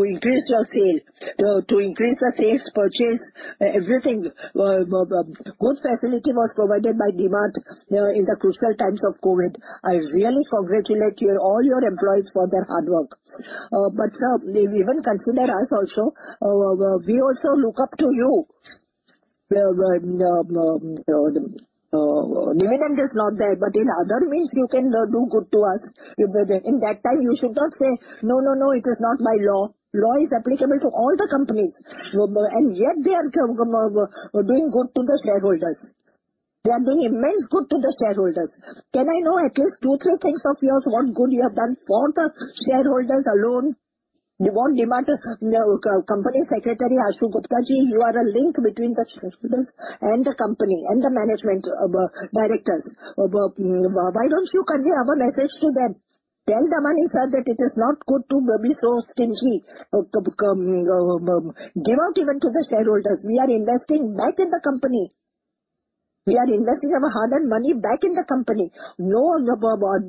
increase your sales, to increase the sales purchase, everything. Good facility was provided by DMart in the crucial times of COVID. I really congratulate you all your employees for their hard work. Sir, even consider us also. We also look up to you. Dividend is not there, but in other means, you can do good to us. In that time, you should not say, "No, no, it is not by law." Law is applicable to all the company, and yet they are doing good to the shareholders. They are doing immense good to the shareholders. Can I know at least two, three things of yours, what good you have done for the shareholders alone? You want DMart Company Secretary, Ashu Gupta Ji, you are a link between the shareholders and the company and the management, directors. Why don't you convey our message to them? Tell Damani Sir that it is not good to be so stingy. Give out even to the shareholders. We are investing back in the company. We are investing our hard-earned money back in the company. No, others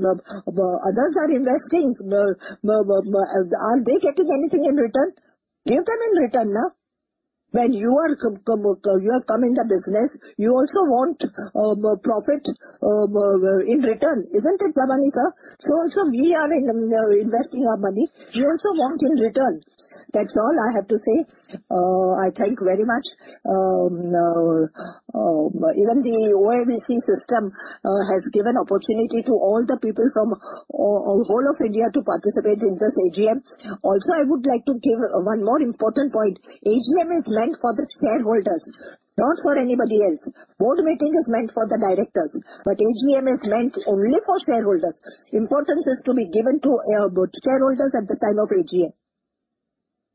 are investing. Are they getting anything in return? Give them in return now. When you are, you have come in the business, you also want profit in return. Isn't it, Damani Sir? Also we are investing our money. We also want in return. That's all I have to say. I thank very much. Even the OAVM system has given opportunity to all the people from all whole of India to participate in this AGM. Also, I would like to give one more important point. AGM is meant for the shareholders, not for anybody else. Board meeting is meant for the directors, but AGM is meant only for shareholders. Importance is to be given to shareholders at the time of AGM.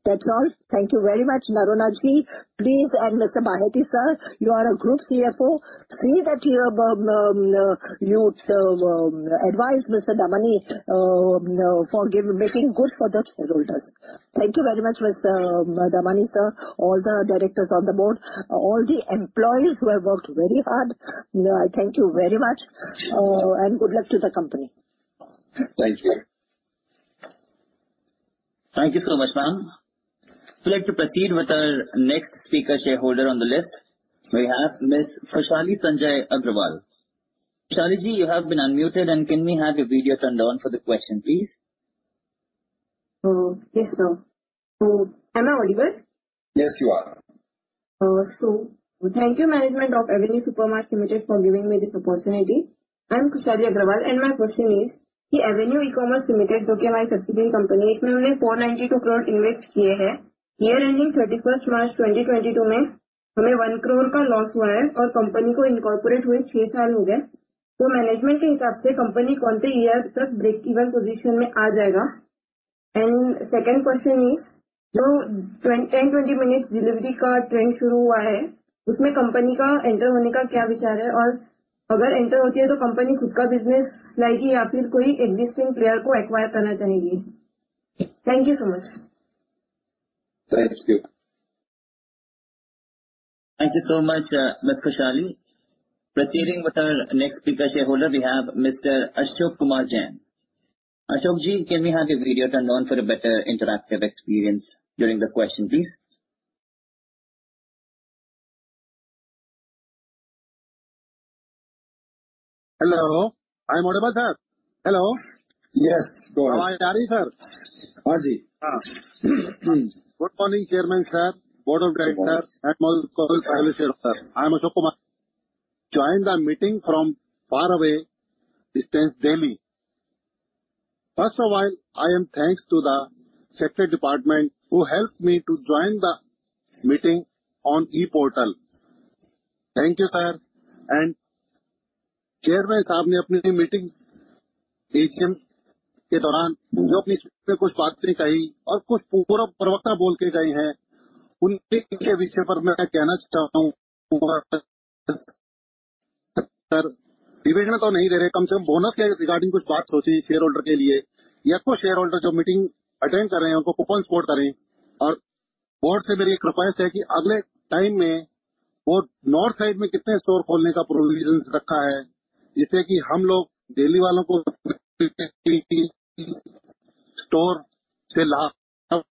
That's all. Thank you very much, Noronha Ji. Please, and Mr. Baheti Sir, you are a Group CFO. See that you advise Mr. Damani for making good for the shareholders. Thank you very much, Mr. Damani Sir, all the directors on the board, all the employees who have worked very hard. Thank you very much, and good luck to the company. Thank you. Thank you so much, ma'am. We'd like to proceed with our next speaker shareholder on the list. We have Ms. Khushali Sanjay Agrawal. Khushali Ji, you have been unmuted, and can we have your video turned on for the question, please? Yes, sir. Am I audible? Yes, you are. Thank you, management of Avenue Supermarts Limited, for giving me this opportunity. I'm Khushali Agrawal, and my question is, the Avenue E-Commerce Limited, which is our subsidiary company, in which we have invested INR 492 crore. Year ending 31st March 2022, we had a loss of INR 1 crore, and it has been six years since the company was incorporated. According to the management, by which year will the company come to a break-even position? Second question is, the 10-10-20 minutes delivery trend that has started, what is the company's plan to enter into it? If it enters, will the company bring its own business or acquire an existing player? Thank you so much. Thank you. Thank you so much, Khushali. Proceeding with our next speaker shareholder, we have Mr. Ashok Kumar Jain. Ashok Ji, can we have your video turned on for a better interactive experience during the question, please? Hello. I am audible, sir. Hello. Yes. Am I audible, sir? हाँ जी। Good morning, Chairman sir, Board of Directors and all shareholders sir. I am Ashok Kumar Jain. Join the meeting from far away distance Delhi. First of all, I thank the secretarial department who helped me to join the meeting on e-portal. Thank you, sir. Chairman साहब ने अपनी meeting, AGM के दौरान जो अपनी कुछ बातें कही और कुछ पूर्व प्रवक्ता बोलकर गए हैं, उनके विषय पर मैं कहना चाहता हूँ कि sir, division तो नहीं दे रहे। कम से कम bonus के regarding कुछ बात सोचिए shareholder के लिए, या जो shareholder meeting attend कर रहे हैं, उनको coupon code करें। Board से मेरी एक कृपा है कि अगले time में और north side में कितने store खोलने का provision रखा है, जिससे कि हम लोग Delhi वालों को store से लाभ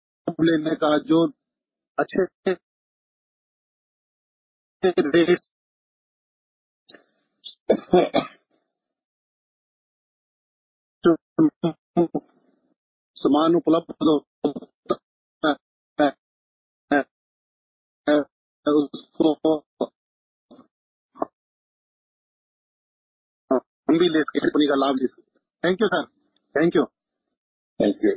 लेने का जो अच्छे से सामान उपलब्ध हो, कंपनी का लाभ ले सकें। Thank you, sir. Thank you. Thank you.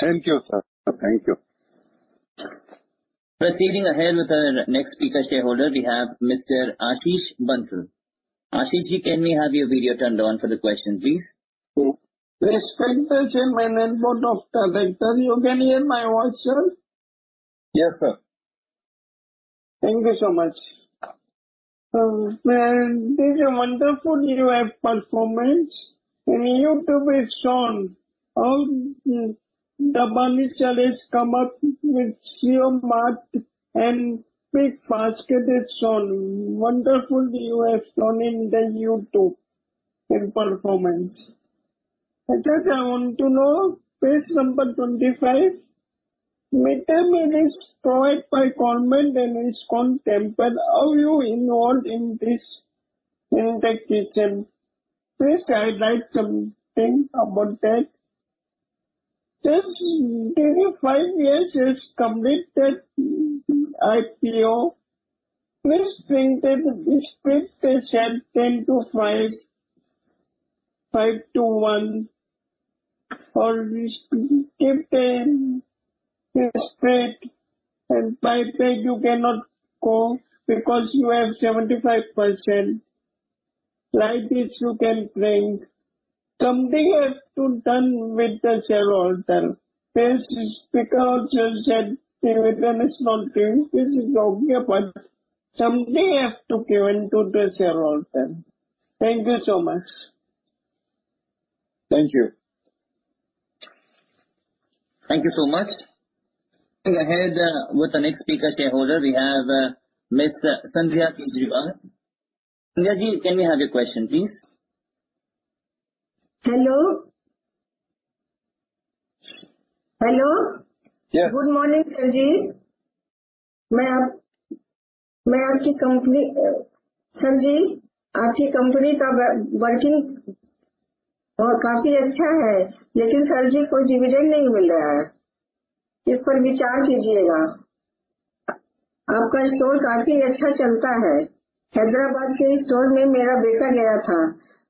Thank you, sir. Thank you. Proceeding ahead with our next speaker shareholder we have Mr. Ashish Bansal. Ashish ji, can we have your video turned on for the question, please? Respected Chairman and Board of Directors. You can hear my voice, sir? Yes, sir. Thank you so much. This is a wonderful year performance in YouTube is shown how the DMart niche has come up with DMart and BigBasket is shown. Wonderful you have shown in the YouTube in performance. I just want to know page number 25, material is provided by government and its content. But how you involved in this, in the CanCare? Please guide something about that. Just three to five years is completed IPO. Please print that script page 105, 51 for this script. If 10% is spread and repaid you cannot grow because you have 75%. Like this you can print. Something have to done with the shareholder. This speaker also said dividend is not giving. This is okay, but something have to given to the shareholder. Thank you so much. Thank you. Thank you so much. Going ahead with the next speaker shareholder we have Miss Sandhya Kejriwal. Sandhya ji, can we have your question, please? Hello. Hello. Yes. Good morning, sir ji. मैं आपकी company का working काफी अच्छा है, लेकिन sir जी कोई dividend नहीं मिल रहा है। इस पर विचार कीजिएगा। आपका store काफी अच्छा चलता है। Hyderabad के store में मेरा बेटा गया था।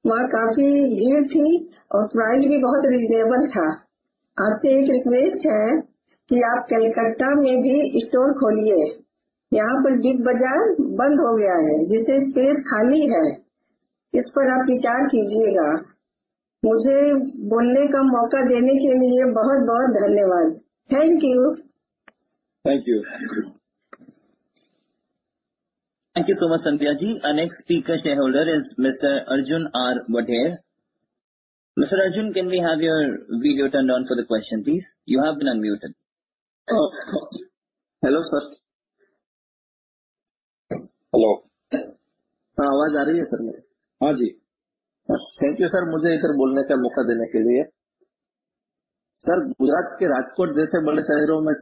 वहां काफी भीड़ थी और price भी बहुत reasonable था। आपसे एक request है कि आप Calcutta में भी store खोलिए। यहां पर Big Bazaar बंद हो गया है, जिससे space खाली है। इस पर आप विचार कीजिएगा। मुझे बोलने का मौका देने के लिए बहुत-बहुत धन्यवाद। Thank you. Thank you. Thank you so much, Sandhya Kejriwal. Our next speaker shareholder is Mr. Arjun R. Vadher. Mr. Arjun, can we have your video turned on for the question, please? You have been unmuted. Hello, sir. Hello. हां, आवाज़ आ रही है sir मेरी? हाँ जी। Thank you sir, मुझे इधर बोलने का मौका देने के लिए। Sir, Gujarat के Rajkot जैसे बड़े शहरों में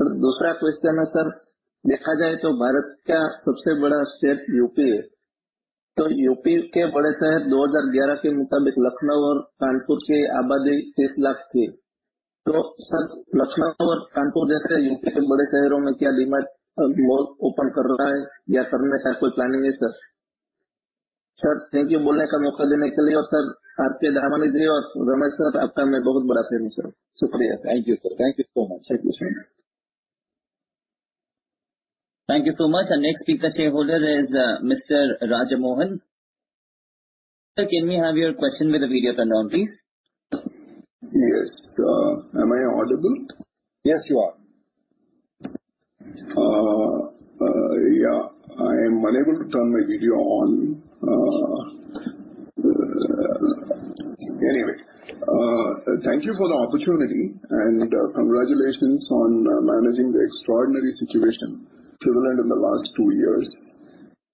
sir, DMart really home delivery कब start करेगा sir? और दूसरा question है sir, देखा जाए तो भारत का सबसे बड़ा state UP है। तो UP के बड़े शहर 2011 के मुताबिक Lucknow और Kanpur की आबादी तीस लाख थी। तो sir, Lucknow और Kanpur जैसे UP के बड़े शहरों में क्या DMart open कर रहा है या करने का कोई planning है sir? Sir, thank you बोलने का मौका देने के लिए और sir, आपके Damani और Ramesh sir आपका मैं बहुत बड़ा fan हूँ sir। शुक्रिया। Thank you sir. Thank you so much. Thank you so much. Our next speaker shareholder is Mr. Rajamohan V. Sir, can we have your question with the video turned on, please? Yes, sir. Am I audible? Yes, you are. I am unable to turn my video on. Anyway, thank you for the opportunity and congratulations on managing the extraordinary situation prevalent in the last two years.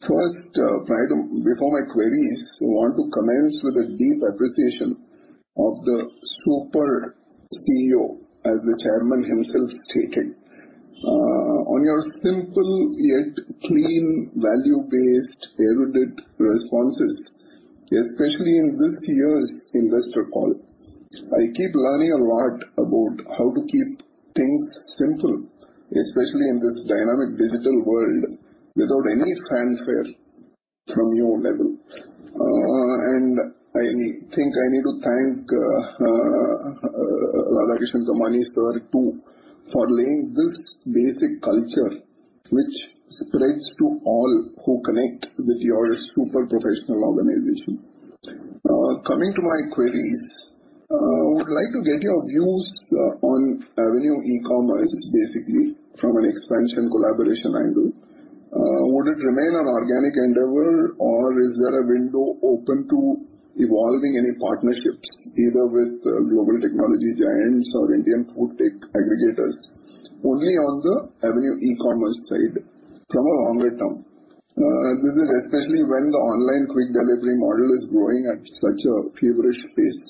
First, before my queries, I want to commence with a deep appreciation of the super CEO, as the chairman himself stated, on your simple yet clean, value-based, erudite responses, especially in this year's investor call. I keep learning a lot about how to keep things simple, especially in this dynamic digital world without any fanfare from you, Navil. I think I need to thank Radhakishan Damani, sir, too, for laying this basic culture which spreads to all who connect with your super professional organization. Coming to my queries, would like to get your views on Avenue E-Commerce basically from an expansion collaboration angle. Would it remain an organic endeavor, or is there a window open to evolving any partnerships, either with global technology giants or Indian food tech aggregators only on the Avenue E-Commerce side from a longer term? This is especially when the online quick delivery model is growing at such a feverish pace.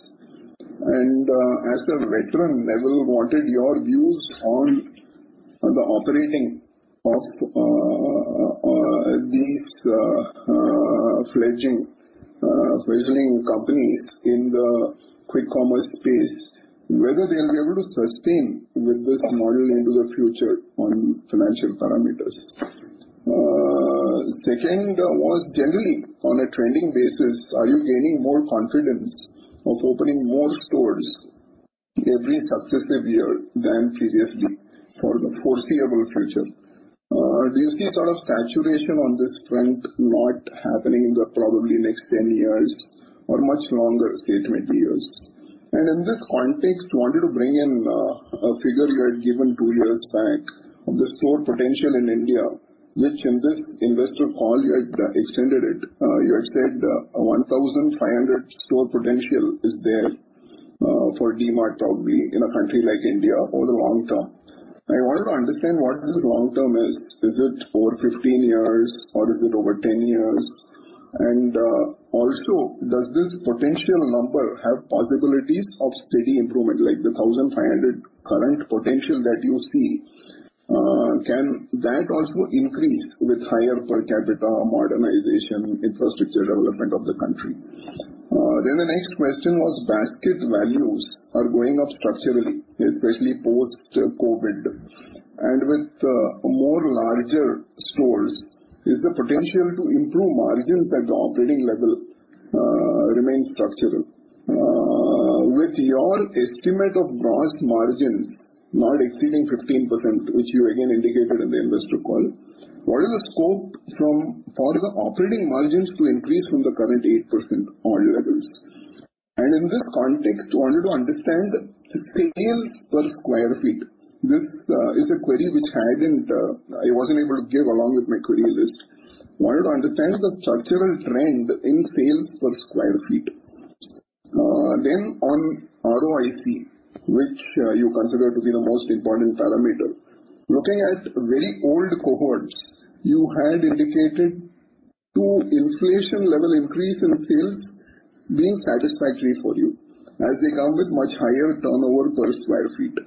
As a veteran, Navil, I wanted your views on the operating of these fledgling companies in the quick commerce space, whether they'll be able to sustain with this model into the future on financial parameters. Second was generally on a trending basis, are you gaining more confidence of opening more stores every successive year than previously for the foreseeable future? Do you see a sort of saturation on this front not happening in the probably next ten years or much longer statement years? In this context, wanted to bring in a figure you had given two years back of the store potential in India, which in this investor call you had extended it. You had said, 1,500 store potential is there for DMart, probably in a country like India over the long term. I wanted to understand what this long term is. Is it over 15 years or is it over 10 years? Also, does this potential number have possibilities of steady improvement, like the 1,500 current potential that you see, can that also increase with higher per capita modernization, infrastructure development of the country? Then the next question was basket values are going up structurally, especially post-COVID. With more larger stores is the potential to improve margins at the operating level remain structural. With your estimate of gross margins not exceeding 15%, which you again indicated in the investor call, what is the scope for the operating margins to increase from the current 8% on your levels? In this context, wanted to understand the sales per sq ft. This is a query which I hadn't, I wasn't able to give along with my query list. Wanted to understand the structural trend in sales per sq ft. Then on ROIC, which you consider to be the most important parameter. Looking at very old cohorts, you had indicated two inflation level increase in sales being satisfactory for you as they come with much higher turnover per sq ft.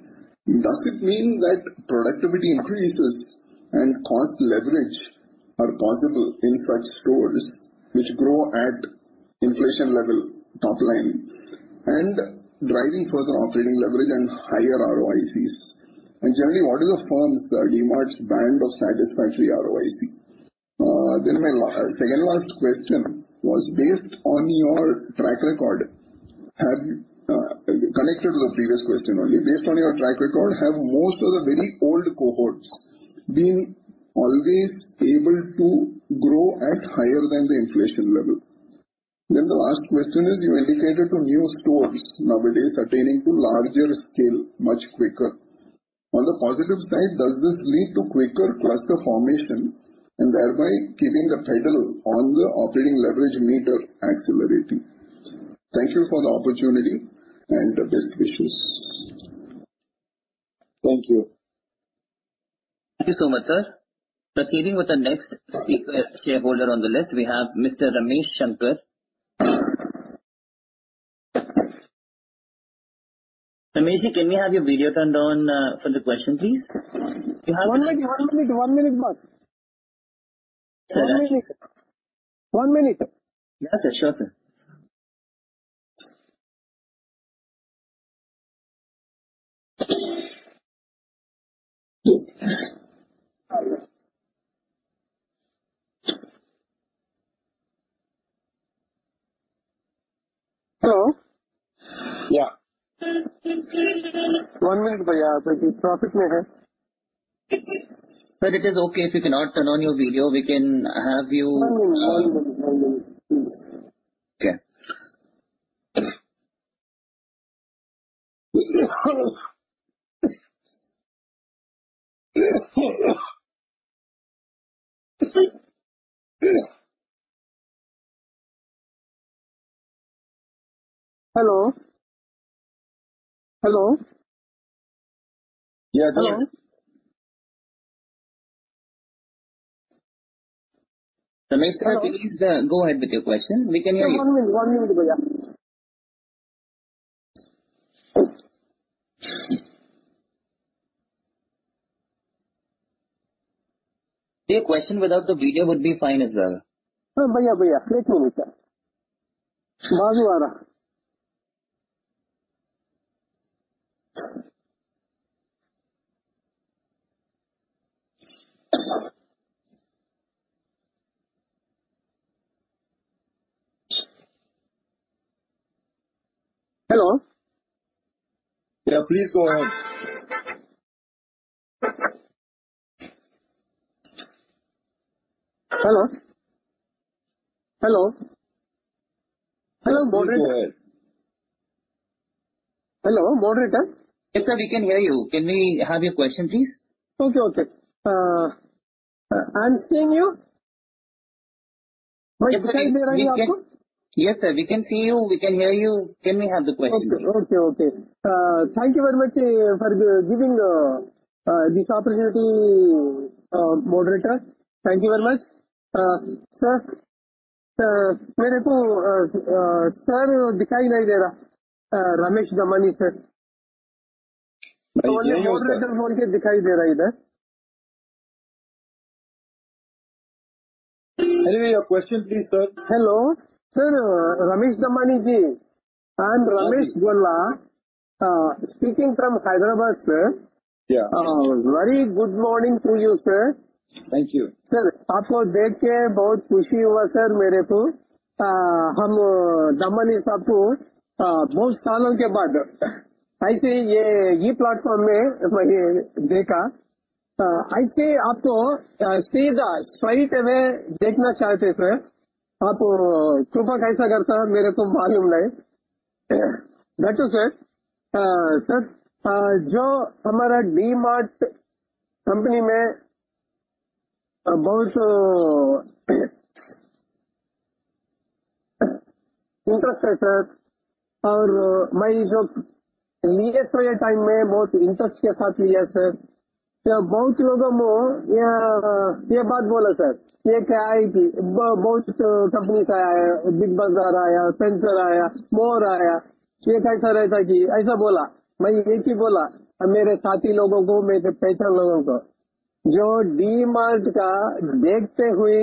Does it mean that productivity increases and cost leverage are possible in such stores which grow at inflation level top line and driving further operating leverage and higher ROICs? Generally, what is the firm's, DMart's band of satisfactory ROIC? My second last question was based on your track record. Have connected to the previous question only. Based on your track record, have most of the very old cohorts been always able to grow at higher than the inflation level? The last question is, you indicated that new stores nowadays attaining a larger scale much quicker. On the positive side, does this lead to quicker cluster formation and thereby keeping the pedal on the operating leverage meter accelerating? Thank you for the opportunity and best wishes. Thank you. Thank you so much, sir. Proceeding with the next speaker, shareholder on the list, we have Mr. Ramesh Shanker. Rameshji, can we have your video turned on for the question, please? You have- One minute bas. Sir. One minute. Yeah, sure, sir. Hello. Yeah. One minute, bhaiya. Traffic later. Sir, it is okay if you cannot turn on your video. We can have you, One minute, one minute, please. Okay. Hello? Hello? Yeah. Hello. Ramesh, sir, please go ahead with your question. We can hear you. One minute bhaiya. Your question without the video would be fine as well. Bhaiya, ek minute, sir. Malum aa raha. Hello. Yeah, please go ahead. Hello? Hello moderator. Yes sir, we can hear you. Can we have your question please? Okay, okay. I am seeing you. Yes sir, we can see you. We can hear you. Can we have the question please? Okay, okay. Thank you very much for giving this opportunity, moderator. Thank you very much. Sir, मेरे को sir दिखाई नहीं दे रहा। Ramesh Damani sir. Only letters मुझे दिखाई दे रहा है. Anyway, your question, please, sir. Hello sir, Ramesh Damani ji, I am Ramesh Shanker, speaking from Hyderabad sir. Yeah. Very good morning to you sir. Thank you. Sir, आपको देख के बहुत खुशी हुआ sir मेरे को। हम Damani साहब को बहुत सालों के बाद ऐसे ही ये platform में मैंने देखा। ऐसे ही आपको सीधा सही तरह देखना चाहते sir। आप कृपा कैसा करते हैं, मेरे को मालूम नहीं। That too sir. Sir, जो हमारा DMart company में बहुत interest है sir और मैं जो लिए इस time में बहुत interest के साथ लिया sir। बहुत लोगों को यह बात बोला sir, यह क्या है कि बहुत companies आया, Big Bazaar आया, Spencer's आया, More आया। यह कैसा रहता कि ऐसा बोला। मैं यही बोला मेरे साथी लोगों को, मेरे पहचान लोगों को। जो DMart का देखते हुए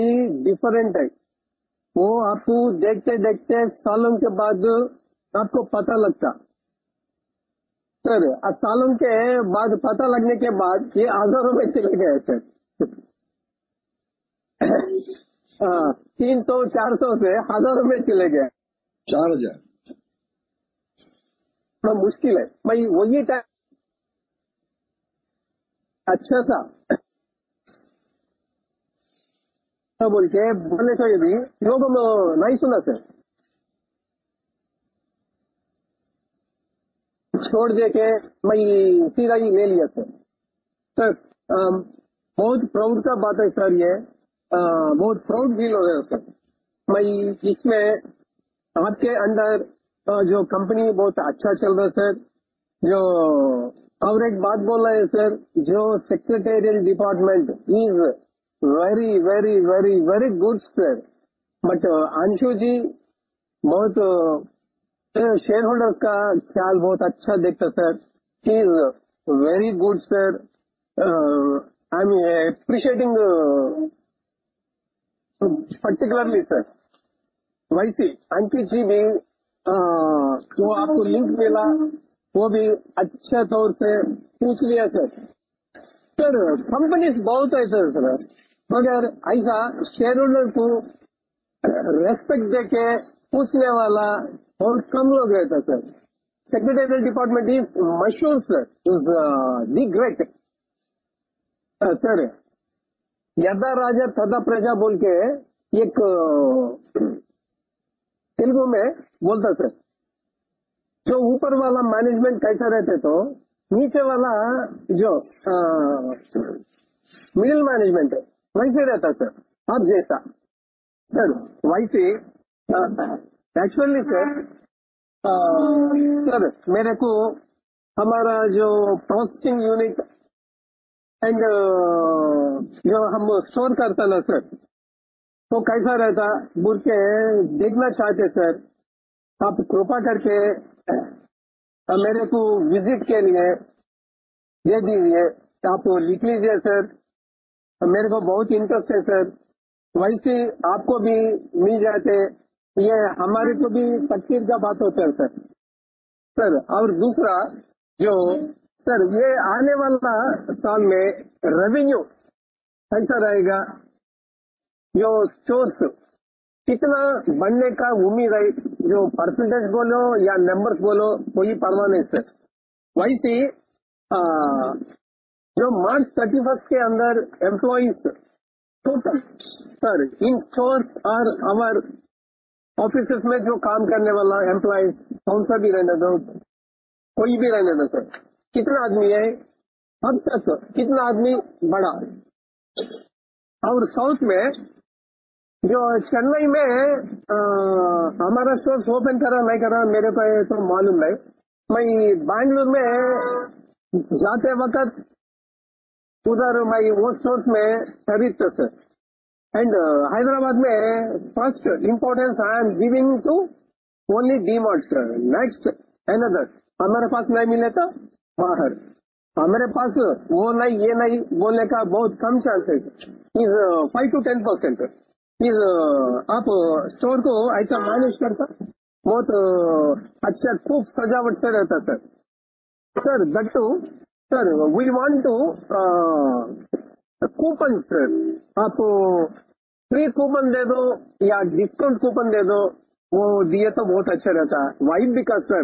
different है। वो आपको देखते, देखते सालों के बाद आपको पता लगता। Sir, और सालों के बाद पता लगने के बाद कि हज़ार रुपए चले गए sir। तीन सौ, चार सौ से हज़ार रुपए चले गए। चार हज़ार। बहुत मुश्किल है। मैं वही time-- अच्छा सा। बोलने से भी लोगों ने नहीं सुना sir. छोड़ दे के मैं सीधा ही ले लिया sir. Sir, बहुत proud का बात है sir ये। बहुत proud feel हो रहा है sir। मैं इसमें आपके under जो company बहुत अच्छा चल रहा है sir। जो आप एक बात बोला है sir, जो secretarial department is very very very very good sir. Ashu जी बहुत shareholder का ख्याल बहुत अच्छा रखता है sir. He is very good sir। I am appreciating particularly sir। वैसे Ankit जी भी आपको link मिला, वो भी अच्छे तौर से पूछ लिया sir। Sir, companies बहुत हैं sir, मगर ऐसा shareholder को respect दे के पूछने वाला और कम लोग हैं sir। Secretarial department is must sir, is the great. Sir, जहाँ राजा तहाँ प्रजा बोलके एक... तेलुगु में बोलता है sir। जो ऊपर वाला management कैसा रहता है तो नीचे वाला जो middle management वैसा रहता है sir, आप जैसा। Sir, वैसे actually sir, मेरे को हमारा जो processing unit और जो हम store करते हैं ना sir, वो कैसा रहता है, वो देखके देखना चाहते हैं sir। आप कृपा करके मेरे को visit के लिए दे दीजिए। आप वो लिख लीजिए sir। मेरे को बहुत interest है sir। वैसे आपको भी मिल जाते। यह हमारे को भी तसल्ली की बात होती है sir। Sir, और दूसरा जो sir ये आने वाला साल में revenue कैसा रहेगा? जो stores कितना बढ़ने का उम्मीद है। जो % बोलो या numbers बोलो कोई परवाह नहीं है sir। वैसे ही जो March 31 के under employees total sir, in stores और officers में जो काम करने वाला employees कौन सा भी रह न जाए, कोई भी रह न जाए sir। कितना आदमी है सब दस। कितना आदमी बढ़ा। और South में जो Chennai में हमारा stores open करा नहीं करा मेरे से तो मालूम नहीं। मैं Bangalore में जाते वक्त उधर मैं उस stores में कभी तो sir। Hyderabad में first importance I am giving to only DMart sir. Next, another हमारे पास नहीं मिलता बाहर। हमारे पास वो नहीं, ये नहीं बोलने का बहुत कम chance है sir। Is 5 to 10% is आप store को ऐसा manage करें sir। बहुत अच्छा खूब सजावट से रहता है sir। Sir, that too sir, we want to coupons sir। आपको free coupon दे दो या discount coupon दे दो। वो दिए तो बहुत अच्छा रहता। Why? Because sir,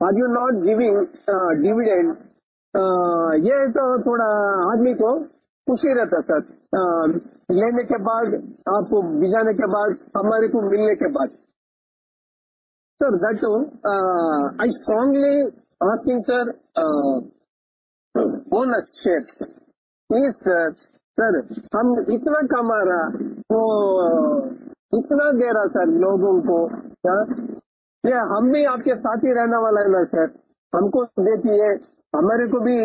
are you not giving dividend? ये तो थोड़ा आदमी को खुशी रहता sir। लेने के बाद, आपको भेजने के बाद, हमारे को मिलने के बाद। Sir, that too I strongly asking sir bonus shares please sir. Sir, हम इतना कमा रहा तो इतना दे रहा sir लोगों को। क्या हम भी आपके साथ ही रहने वाला है ना sir? हमको भी देती है। हमारे को भी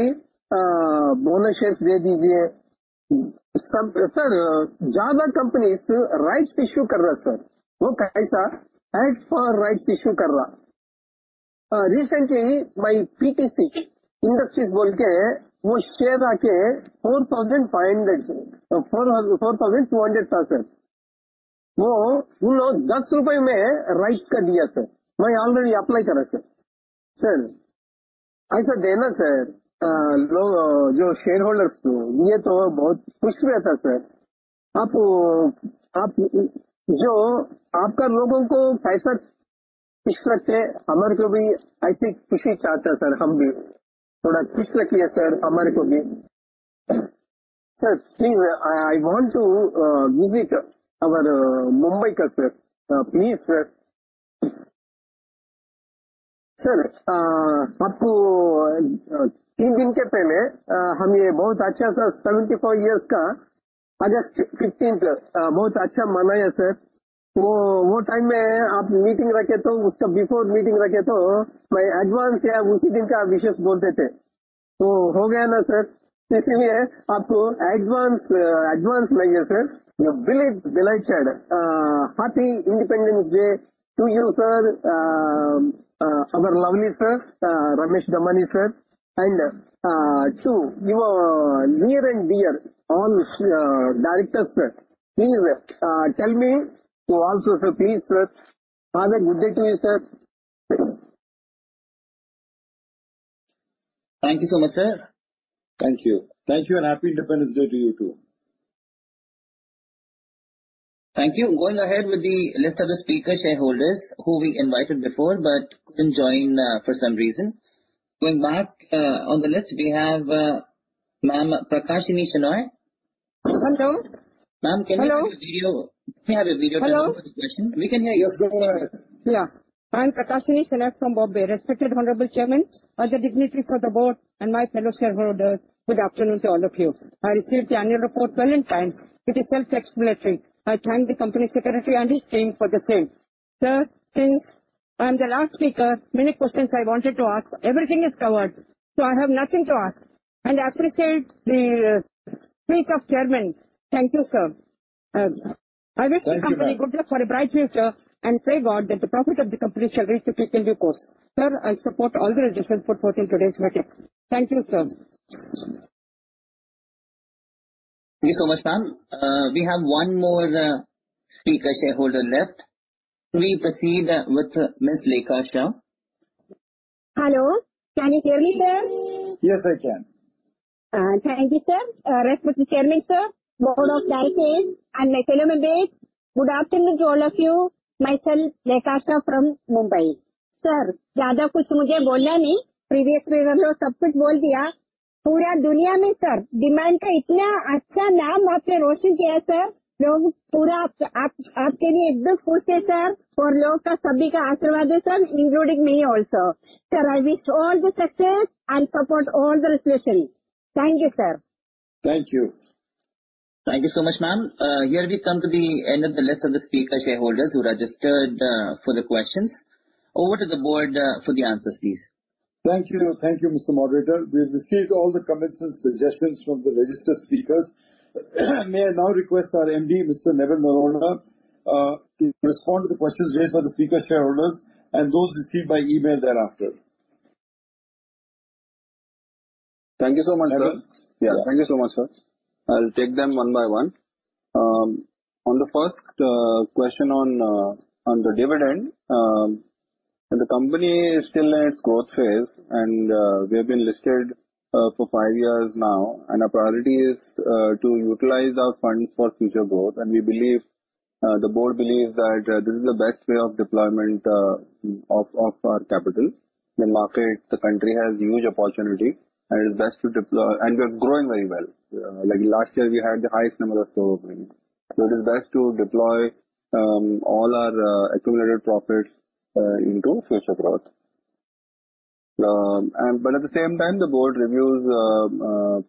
bonus shares दे दीजिए। Sir, sir ज्यादा companies rights issue कर रहा है sir। वो कैसा rights for rights issue कर रहा। Recently मैं PTC Industries बोलकर वो share आके ₹4,500, ₹4,200 था sir। वो उन्होंने दस रुपए में rights कर दिया sir। मैं already apply करा sir। Sir ऐसा देना sir लोग जो shareholders को। ये तो बहुत खुश रहता है sir। आप आप जो आपका लोगों को पैसा खुश रखते हैं, हमारे को भी ऐसी खुशी चाहते हैं sir हम भी। थोड़ा खुश रखिए sir हमारे को भी। Sir please I want to visit our Mumbai का sir please sir। Sir आपको तीन दिन के पहले हमने बहुत अच्छा सा seventy-five years का August fifteenth बहुत अच्छा मनाया sir। वो, वो time में आप meeting रखे तो उसके before meeting रखे तो मैं advance या उसी दिन का wishes बोल देते। तो हो गया ना sir? Isi mein aapko advance nahi hai sir. Believe delighted Happy Independence Day to you sir our lovely sir Ramesh Damani sir and to your near and dear all directors sir. Please sir tell me to also sir please sir have a good day to you, sir. Thank you so much, sir. Thank you and Happy Independence Day to you too. Thank you. Going ahead with the list of the speaker shareholders who we invited before but couldn't join for some reason. Going back on the list we have Miss Prakashini Shenoy. Hello. Ma'am, can we see your video? We have a video call for the question. We can hear you. Go ahead. Yeah. I am Prakashini Shenoy from Bombay. Respected Honorable Chairman, other dignitaries of the board and my fellow shareholders. Good afternoon to all of you. I received the annual report well in time. It is self-explanatory. I thank the company secretary and his team for the same. Sir, since I'm the last speaker, many questions I wanted to ask, everything is covered. I have nothing to ask and appreciate the speech of Chairman. Thank you, sir. Thank you, ma'am. I wish the company good luck for a bright future and pray God that the profit of the company shall reach to peak in due course. Sir, I support all the resolutions put forth in today's meeting. Thank you, sir. Thank you so much, ma'am. We have one more speaker shareholder left. We proceed with Ms. Lekha Shah. Hello. Can you hear me, sir? Yes, I can. Thank you, sir. Respected chairman, sir, board of directors and my fellow members. Good afternoon to all of you. Myself Lekha Shah from Mumbai. Sir, ज्यादा कुछ मुझे बोलना नहीं। Previous speaker लोग सब कुछ बोल दिया। पूरा दुनिया में sir DMart का इतना अच्छा नाम आपने रोशन किया sir। लोग पूरा आप, आपके लिए एकदम खुश हैं sir और लोग का सभी का आशीर्वाद है sir, including me also. Sir, I wish all the success and support all the resolutions. Thank you, sir. Thank you. Thank you so much, ma'am. Here we come to the end of the list of the speaker shareholders who registered for the questions. Over to the board for the answers, please. Thank you. Thank you, Mr. Moderator. We've received all the comments and suggestions from the registered speakers. May I now request our MD, Mr. Navil Noronha, to respond to the questions raised by the speaker shareholders and those received by email thereafter. Thank you so much, sir. Navil. Yeah. Thank you so much, sir. I'll take them one by one. On the first question on the dividend, the company is still in its growth phase, and we have been listed for five years now, and our priority is to utilize our funds for future growth. We believe the board believes that this is the best way of deployment of our capital. The market, the country has huge opportunity, and it is best to deploy. We are growing very well. Like last year, we had the highest number of store openings. It is best to deploy all our accumulated profits into future growth. But at the same time, the board reviews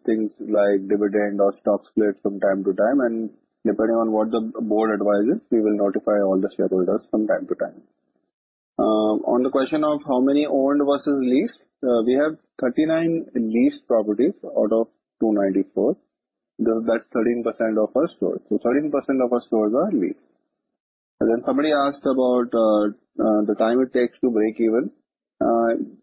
things like dividend or stock splits from time to time, and depending on what the board advises, we will notify all the shareholders from time to time. On the question of how many owned versus leased, we have 39 leased properties out of 294. That's 13% of our stores. 13% of our stores are leased. Then somebody asked about the time it takes to break even.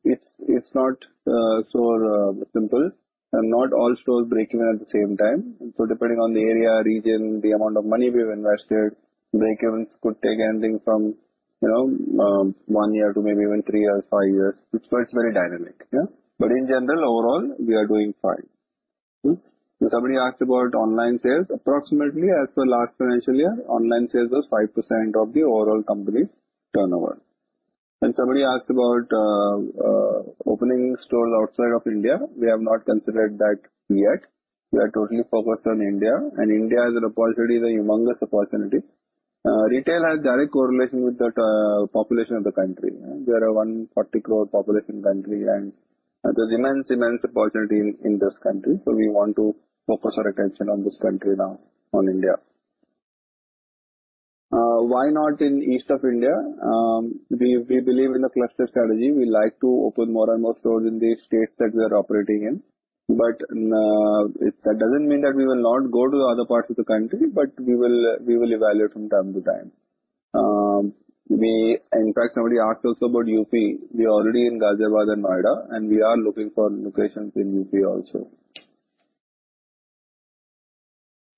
It's not so simple. Not all stores break even at the same time. Depending on the area, region, the amount of money we have invested, break evens could take anything from, you know, one year to maybe even three years, five years. It's very dynamic, yeah. In general, overall, we are doing fine. Somebody asked about online sales. Approximately as per last financial year, online sales was 5% of the overall company's turnover. Somebody asked about opening stores outside of India. We have not considered that yet. We are totally focused on India, and India is a possibly the humongous opportunity. Retail has direct correlation with the population of the country. We are a 140 crore population country, and there's immense opportunity in this country. We want to focus our attention on this country now, on India. Why not in East of India? We believe in the cluster strategy. We like to open more and more stores in the states that we are operating in. That doesn't mean that we will not go to the other parts of the country, but we will evaluate from time to time. In fact, somebody asked also about UP. We are already in Ghaziabad and Noida, and we are looking for locations in UP also.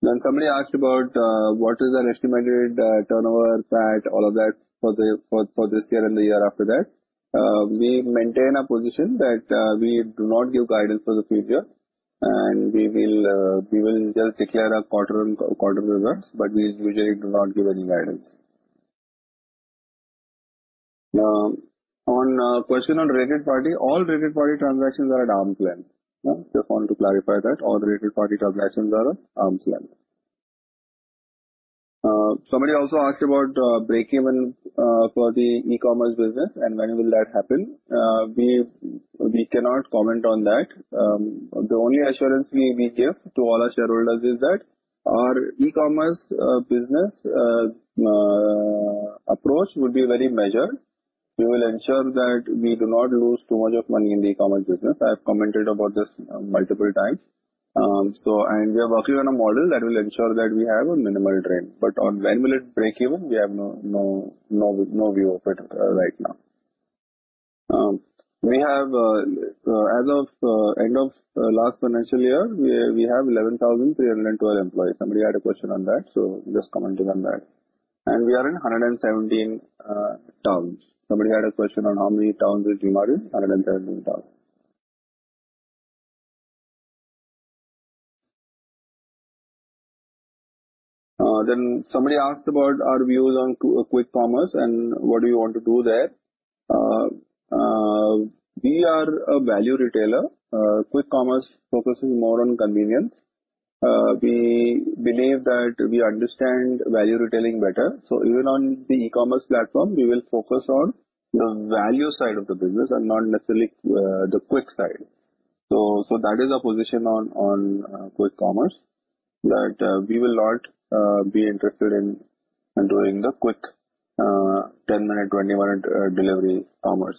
Then somebody asked about what is our estimated turnover, PAT, all of that for this year and the year after that. We maintain a position that we do not give guidance for the future, and we will just declare our quarter results, but we usually do not give any guidance. On a question on related party, all related party transactions are at arm's length. Just want to clarify that all related party transactions are at arm's length. Somebody also asked about break even for the e-commerce business and when will that happen. We cannot comment on that. The only assurance we give to all our shareholders is that our e-commerce business approach would be very measured. We will ensure that we do not lose too much of money in the e-commerce business. I've commented about this multiple times. We are working on a model that will ensure that we have a minimal drain. But on when will it break even, we have no view of it right now. As of end of last financial year, we have 11,312 employees. Somebody had a question on that, just commenting on that. We are in 117 towns. Somebody had a question on how many towns is DMart in. 117 towns. Somebody asked about our views on quick commerce and what do you want to do there. We are a value retailer. Quick commerce focuses more on convenience. We believe that we understand value retailing better. Even on the e-commerce platform, we will focus on the value side of the business and not necessarily the quick side. That is our position on quick commerce, that we will not be interested in doing the quick 10 minute, 20 minute delivery commerce.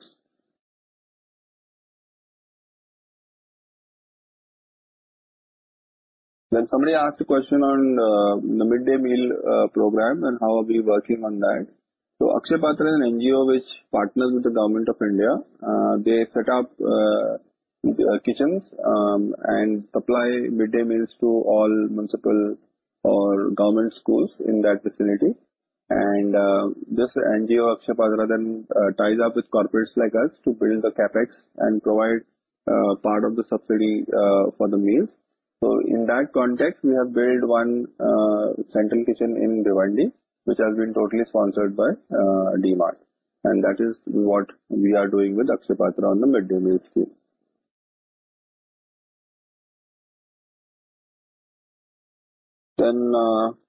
Somebody asked a question on the mid-day meal program and how are we working on that. Akshaya Patra is an NGO which partners with the government of India. They set up kitchens and supply midday meals to all municipal or government schools in that vicinity. This NGO, Akshaya Patra, ties up with corporates like us to build the CapEx and provide part of the subsidy for the meals. In that context, we have built one central kitchen in Lonavala, which has been totally sponsored by DMart. That is what we are doing with Akshaya Patra on the midday meals scheme.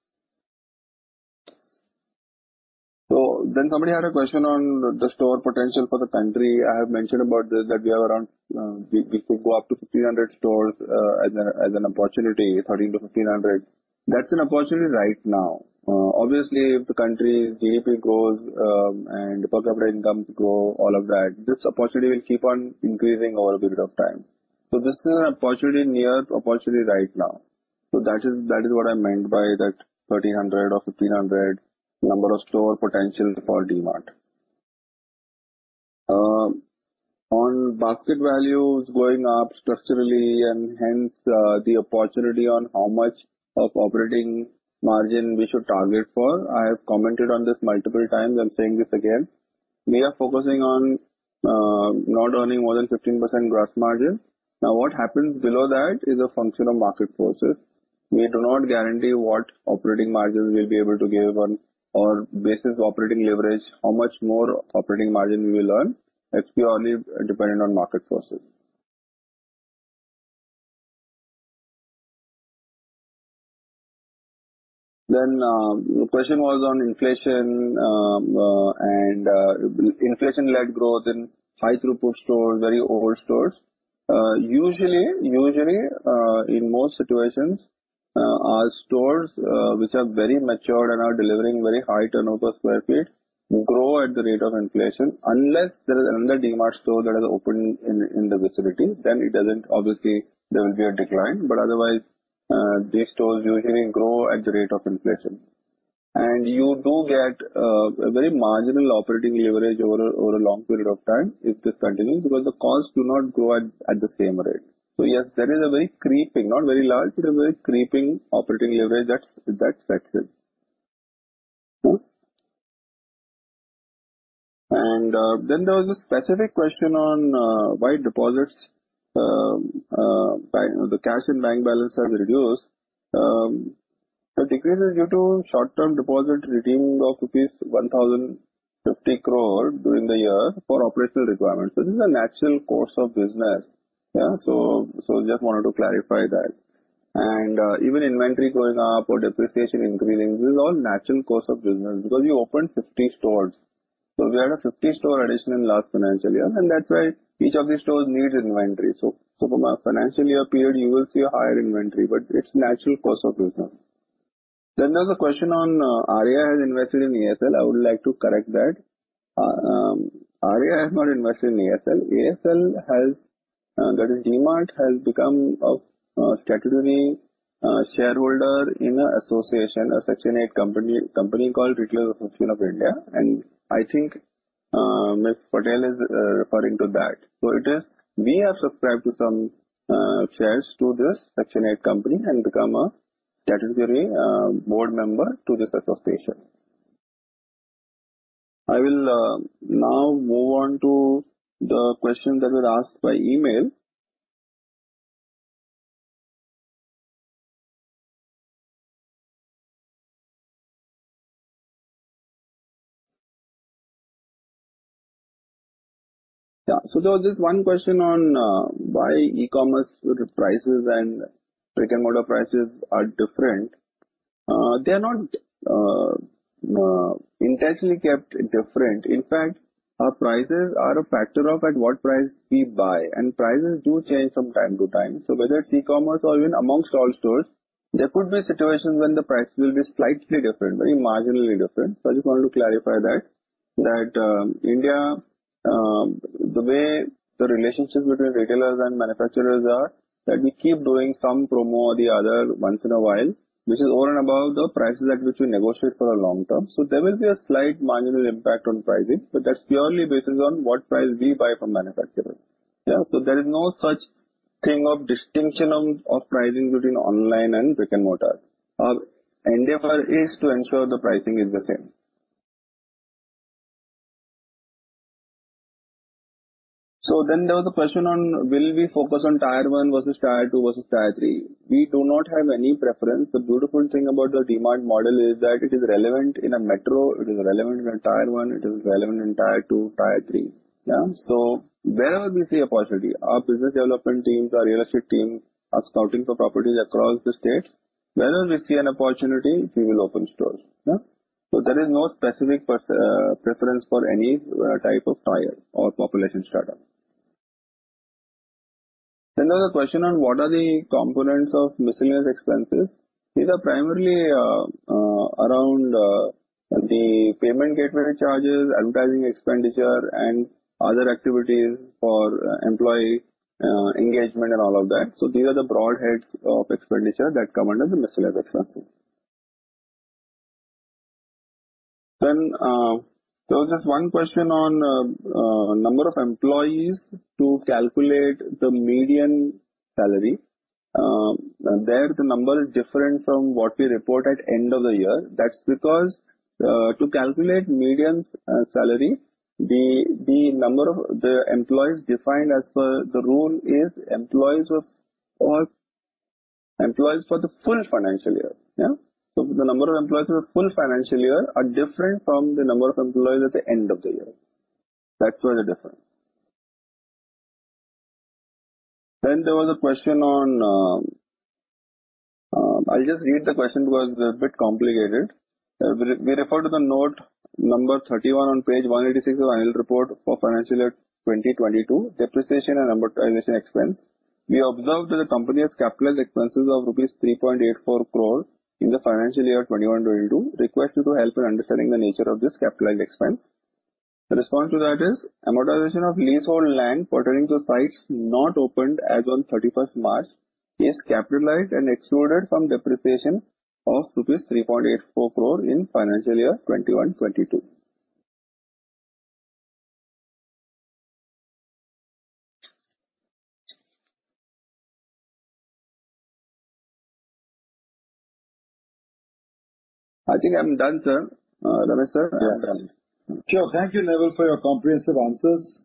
Somebody had a question on the store potential for the country. I have mentioned about this, that we have around, we could go up to 1,500 stores as an opportunity, 1,300-1,500. That's an opportunity right now. Obviously, if the country's GDP grows, and per capita incomes grow, all of that, this opportunity will keep on increasing over a period of time. This is an enormous opportunity right now. That is what I meant by that 1,300 or 1,500 number of store potentials for DMart. On basket values going up structurally and hence, the opportunity on how much of operating margin we should target for, I have commented on this multiple times. I'm saying this again. We are focusing on not earning more than 15% gross margin. Now, what happens below that is a function of market forces. We do not guarantee what operating margin we'll be able to give on the basis of operating leverage, how much more operating margin we will earn. It's purely dependent on market forces. The question was on inflation and inflation-led growth in high throughput stores, very old stores. Usually in most situations, our stores, which are very matured and are delivering very high turnover square feet, grow at the rate of inflation. Unless there is another DMart store that has opened in the vicinity, then it doesn't. Obviously, there will be a decline, but otherwise, these stores usually grow at the rate of inflation. And you do get a very marginal operating leverage over a long period of time if this continues, because the costs do not grow at the same rate. Yes, there is a very creeping, not very large, but a very creeping operating leverage that sets in. There was a specific question on why deposits, the cash and bank balance has reduced. The decrease is due to short-term deposit redeeming of rupees 1,050 crore during the year for operational requirements. This is a natural course of business. Just wanted to clarify that. Even inventory going up or depreciation increasing, this is all natural course of business because we opened 50 stores. We had a 50-store addition in last financial year, and that's why each of these stores needs inventory. From a financial year period, you will see a higher inventory, but it's natural course of business. There's a question on Aria has invested in ASL. I would like to correct that. Aria has not invested in ASL. ASL has, that is DMart has become a statutory shareholder in an association, a Section 8 company called Retailers Association of India. I think Ms. Patel is referring to that. It is we have subscribed to some shares to this Section 8 company and become a statutory board member to this association. I will now move on to the question that was asked by email. Yeah. There was this one question on why e-commerce prices and brick-and-mortar prices are different. They're not intentionally kept different. In fact, our prices are a factor of at what price we buy, and prices do change from time to time. Whether it's e-commerce or even amongst all stores, there could be situations when the price will be slightly different, very marginally different. I just wanted to clarify that India the way the relationships between retailers and manufacturers are, that we keep doing some promo or the other once in a while, which is over and above the prices at which we negotiate for the long term. There will be a slight marginal impact on pricing, but that's purely based on what price we buy from manufacturer. Yeah. There is no such thing of distinction of pricing between online and brick-and-mortar. Our endeavor is to ensure the pricing is the same. There was a question on will we focus on tier one versus tier two versus tier three. We do not have any preference. The beautiful thing about the DMart model is that it is relevant in a metro, it is relevant in tier one, it is relevant in tier two, tier three. Yeah. Wherever we see opportunity, our business development teams, our real estate teams are scouting for properties across the states. Wherever we see an opportunity, we will open stores. Yeah. There is no specific preference for any type of tier or population strata. There's a question on what are the components of miscellaneous expenses. These are primarily around the payment gateway charges, advertising expenditure, and other activities for employee engagement and all of that. These are the broad heads of expenditure that come under the miscellaneous expenses. There was just one question on number of employees to calculate the median salary. There the number is different from what we report at end of the year. That's because to calculate median salary, the number of employees defined as per the rule is employees of employees for the full financial year. Yeah. The number of employees for the full financial year are different from the number of employees at the end of the year. That's why the difference. There was a question on. I'll just read the question. It was a bit complicated. We refer to the note number 31 on page 186 of Annual Report for financial year 2022, depreciation and amortization expense. We observed that the company has capitalized expenses of rupees 3.84 crore in the financial year 2021-2022. Request you to help in understanding the nature of this capitalized expense. The response to that is amortization of leasehold land pertaining to sites not opened as on 31st March is capitalized and excluded from depreciation of rupees 3.84 crore in financial year 2021-2022. I think I'm done, sir. Ramesh, sir, I'm done. Sure. Thank you, Navil, for your comprehensive answers.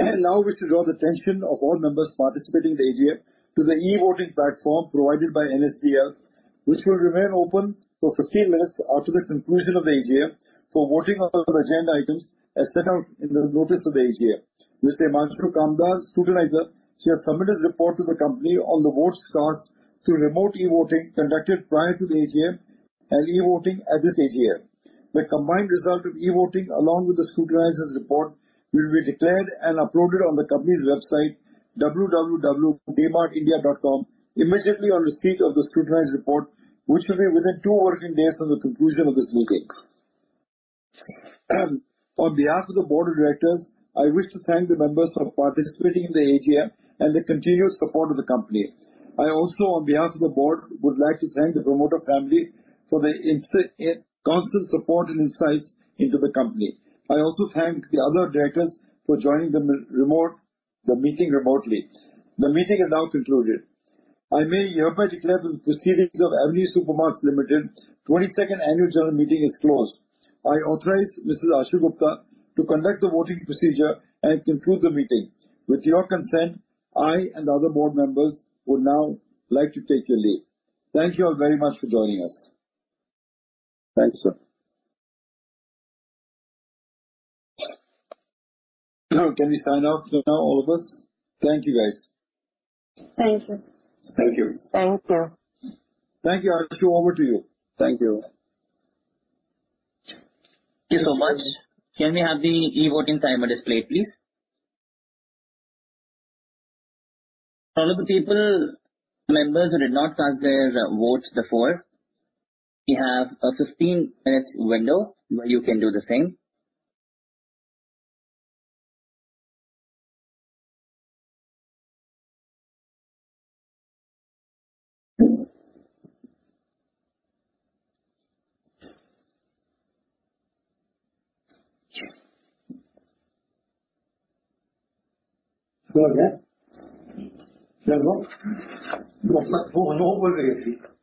I now wish to draw the attention of all members participating in the AGM to the e-voting platform provided by NSDL, which will remain open for 15 minutes after the conclusion of the AGM for voting on the agenda items as set out in the notice of the AGM. Mr. Himanshu Kamdar, Scrutinizer, she has submitted report to the company on the votes cast through remote e-voting conducted prior to the AGM and e-voting at this AGM. The combined result of e-voting along with the scrutinizer's report will be declared and uploaded on the company's website, www.dmartindia.com, immediately on receipt of the scrutinizer's report, which will be within two working days from the conclusion of this meeting. On behalf of the board of directors, I wish to thank the members for participating in the AGM and the continuous support of the company. I also, on behalf of the board, would like to thank the promoter family for their constant support and insights into the company. I also thank the other directors for joining the meeting remotely. The meeting is now concluded. I hereby declare the proceedings of Avenue Supermarts Limited 22nd annual general meeting closed. I authorize Mr. Ashu Gupta to conduct the voting procedure and conclude the meeting. With your consent, I and other board members would now like to take your leave. Thank you all very much for joining us. Thank you, sir. Can we sign off now, all of us? Thank you, guys. Thank you. Thank you. Thank you. Thank you. Ashu, over to you. Thank you. Thank you so much. Can we have the e-voting timer displayed, please? For all the people, members who did not cast their votes before, we have a 15 minutes window where you can do the same. It's over, yeah? Let's go. It's not over yet.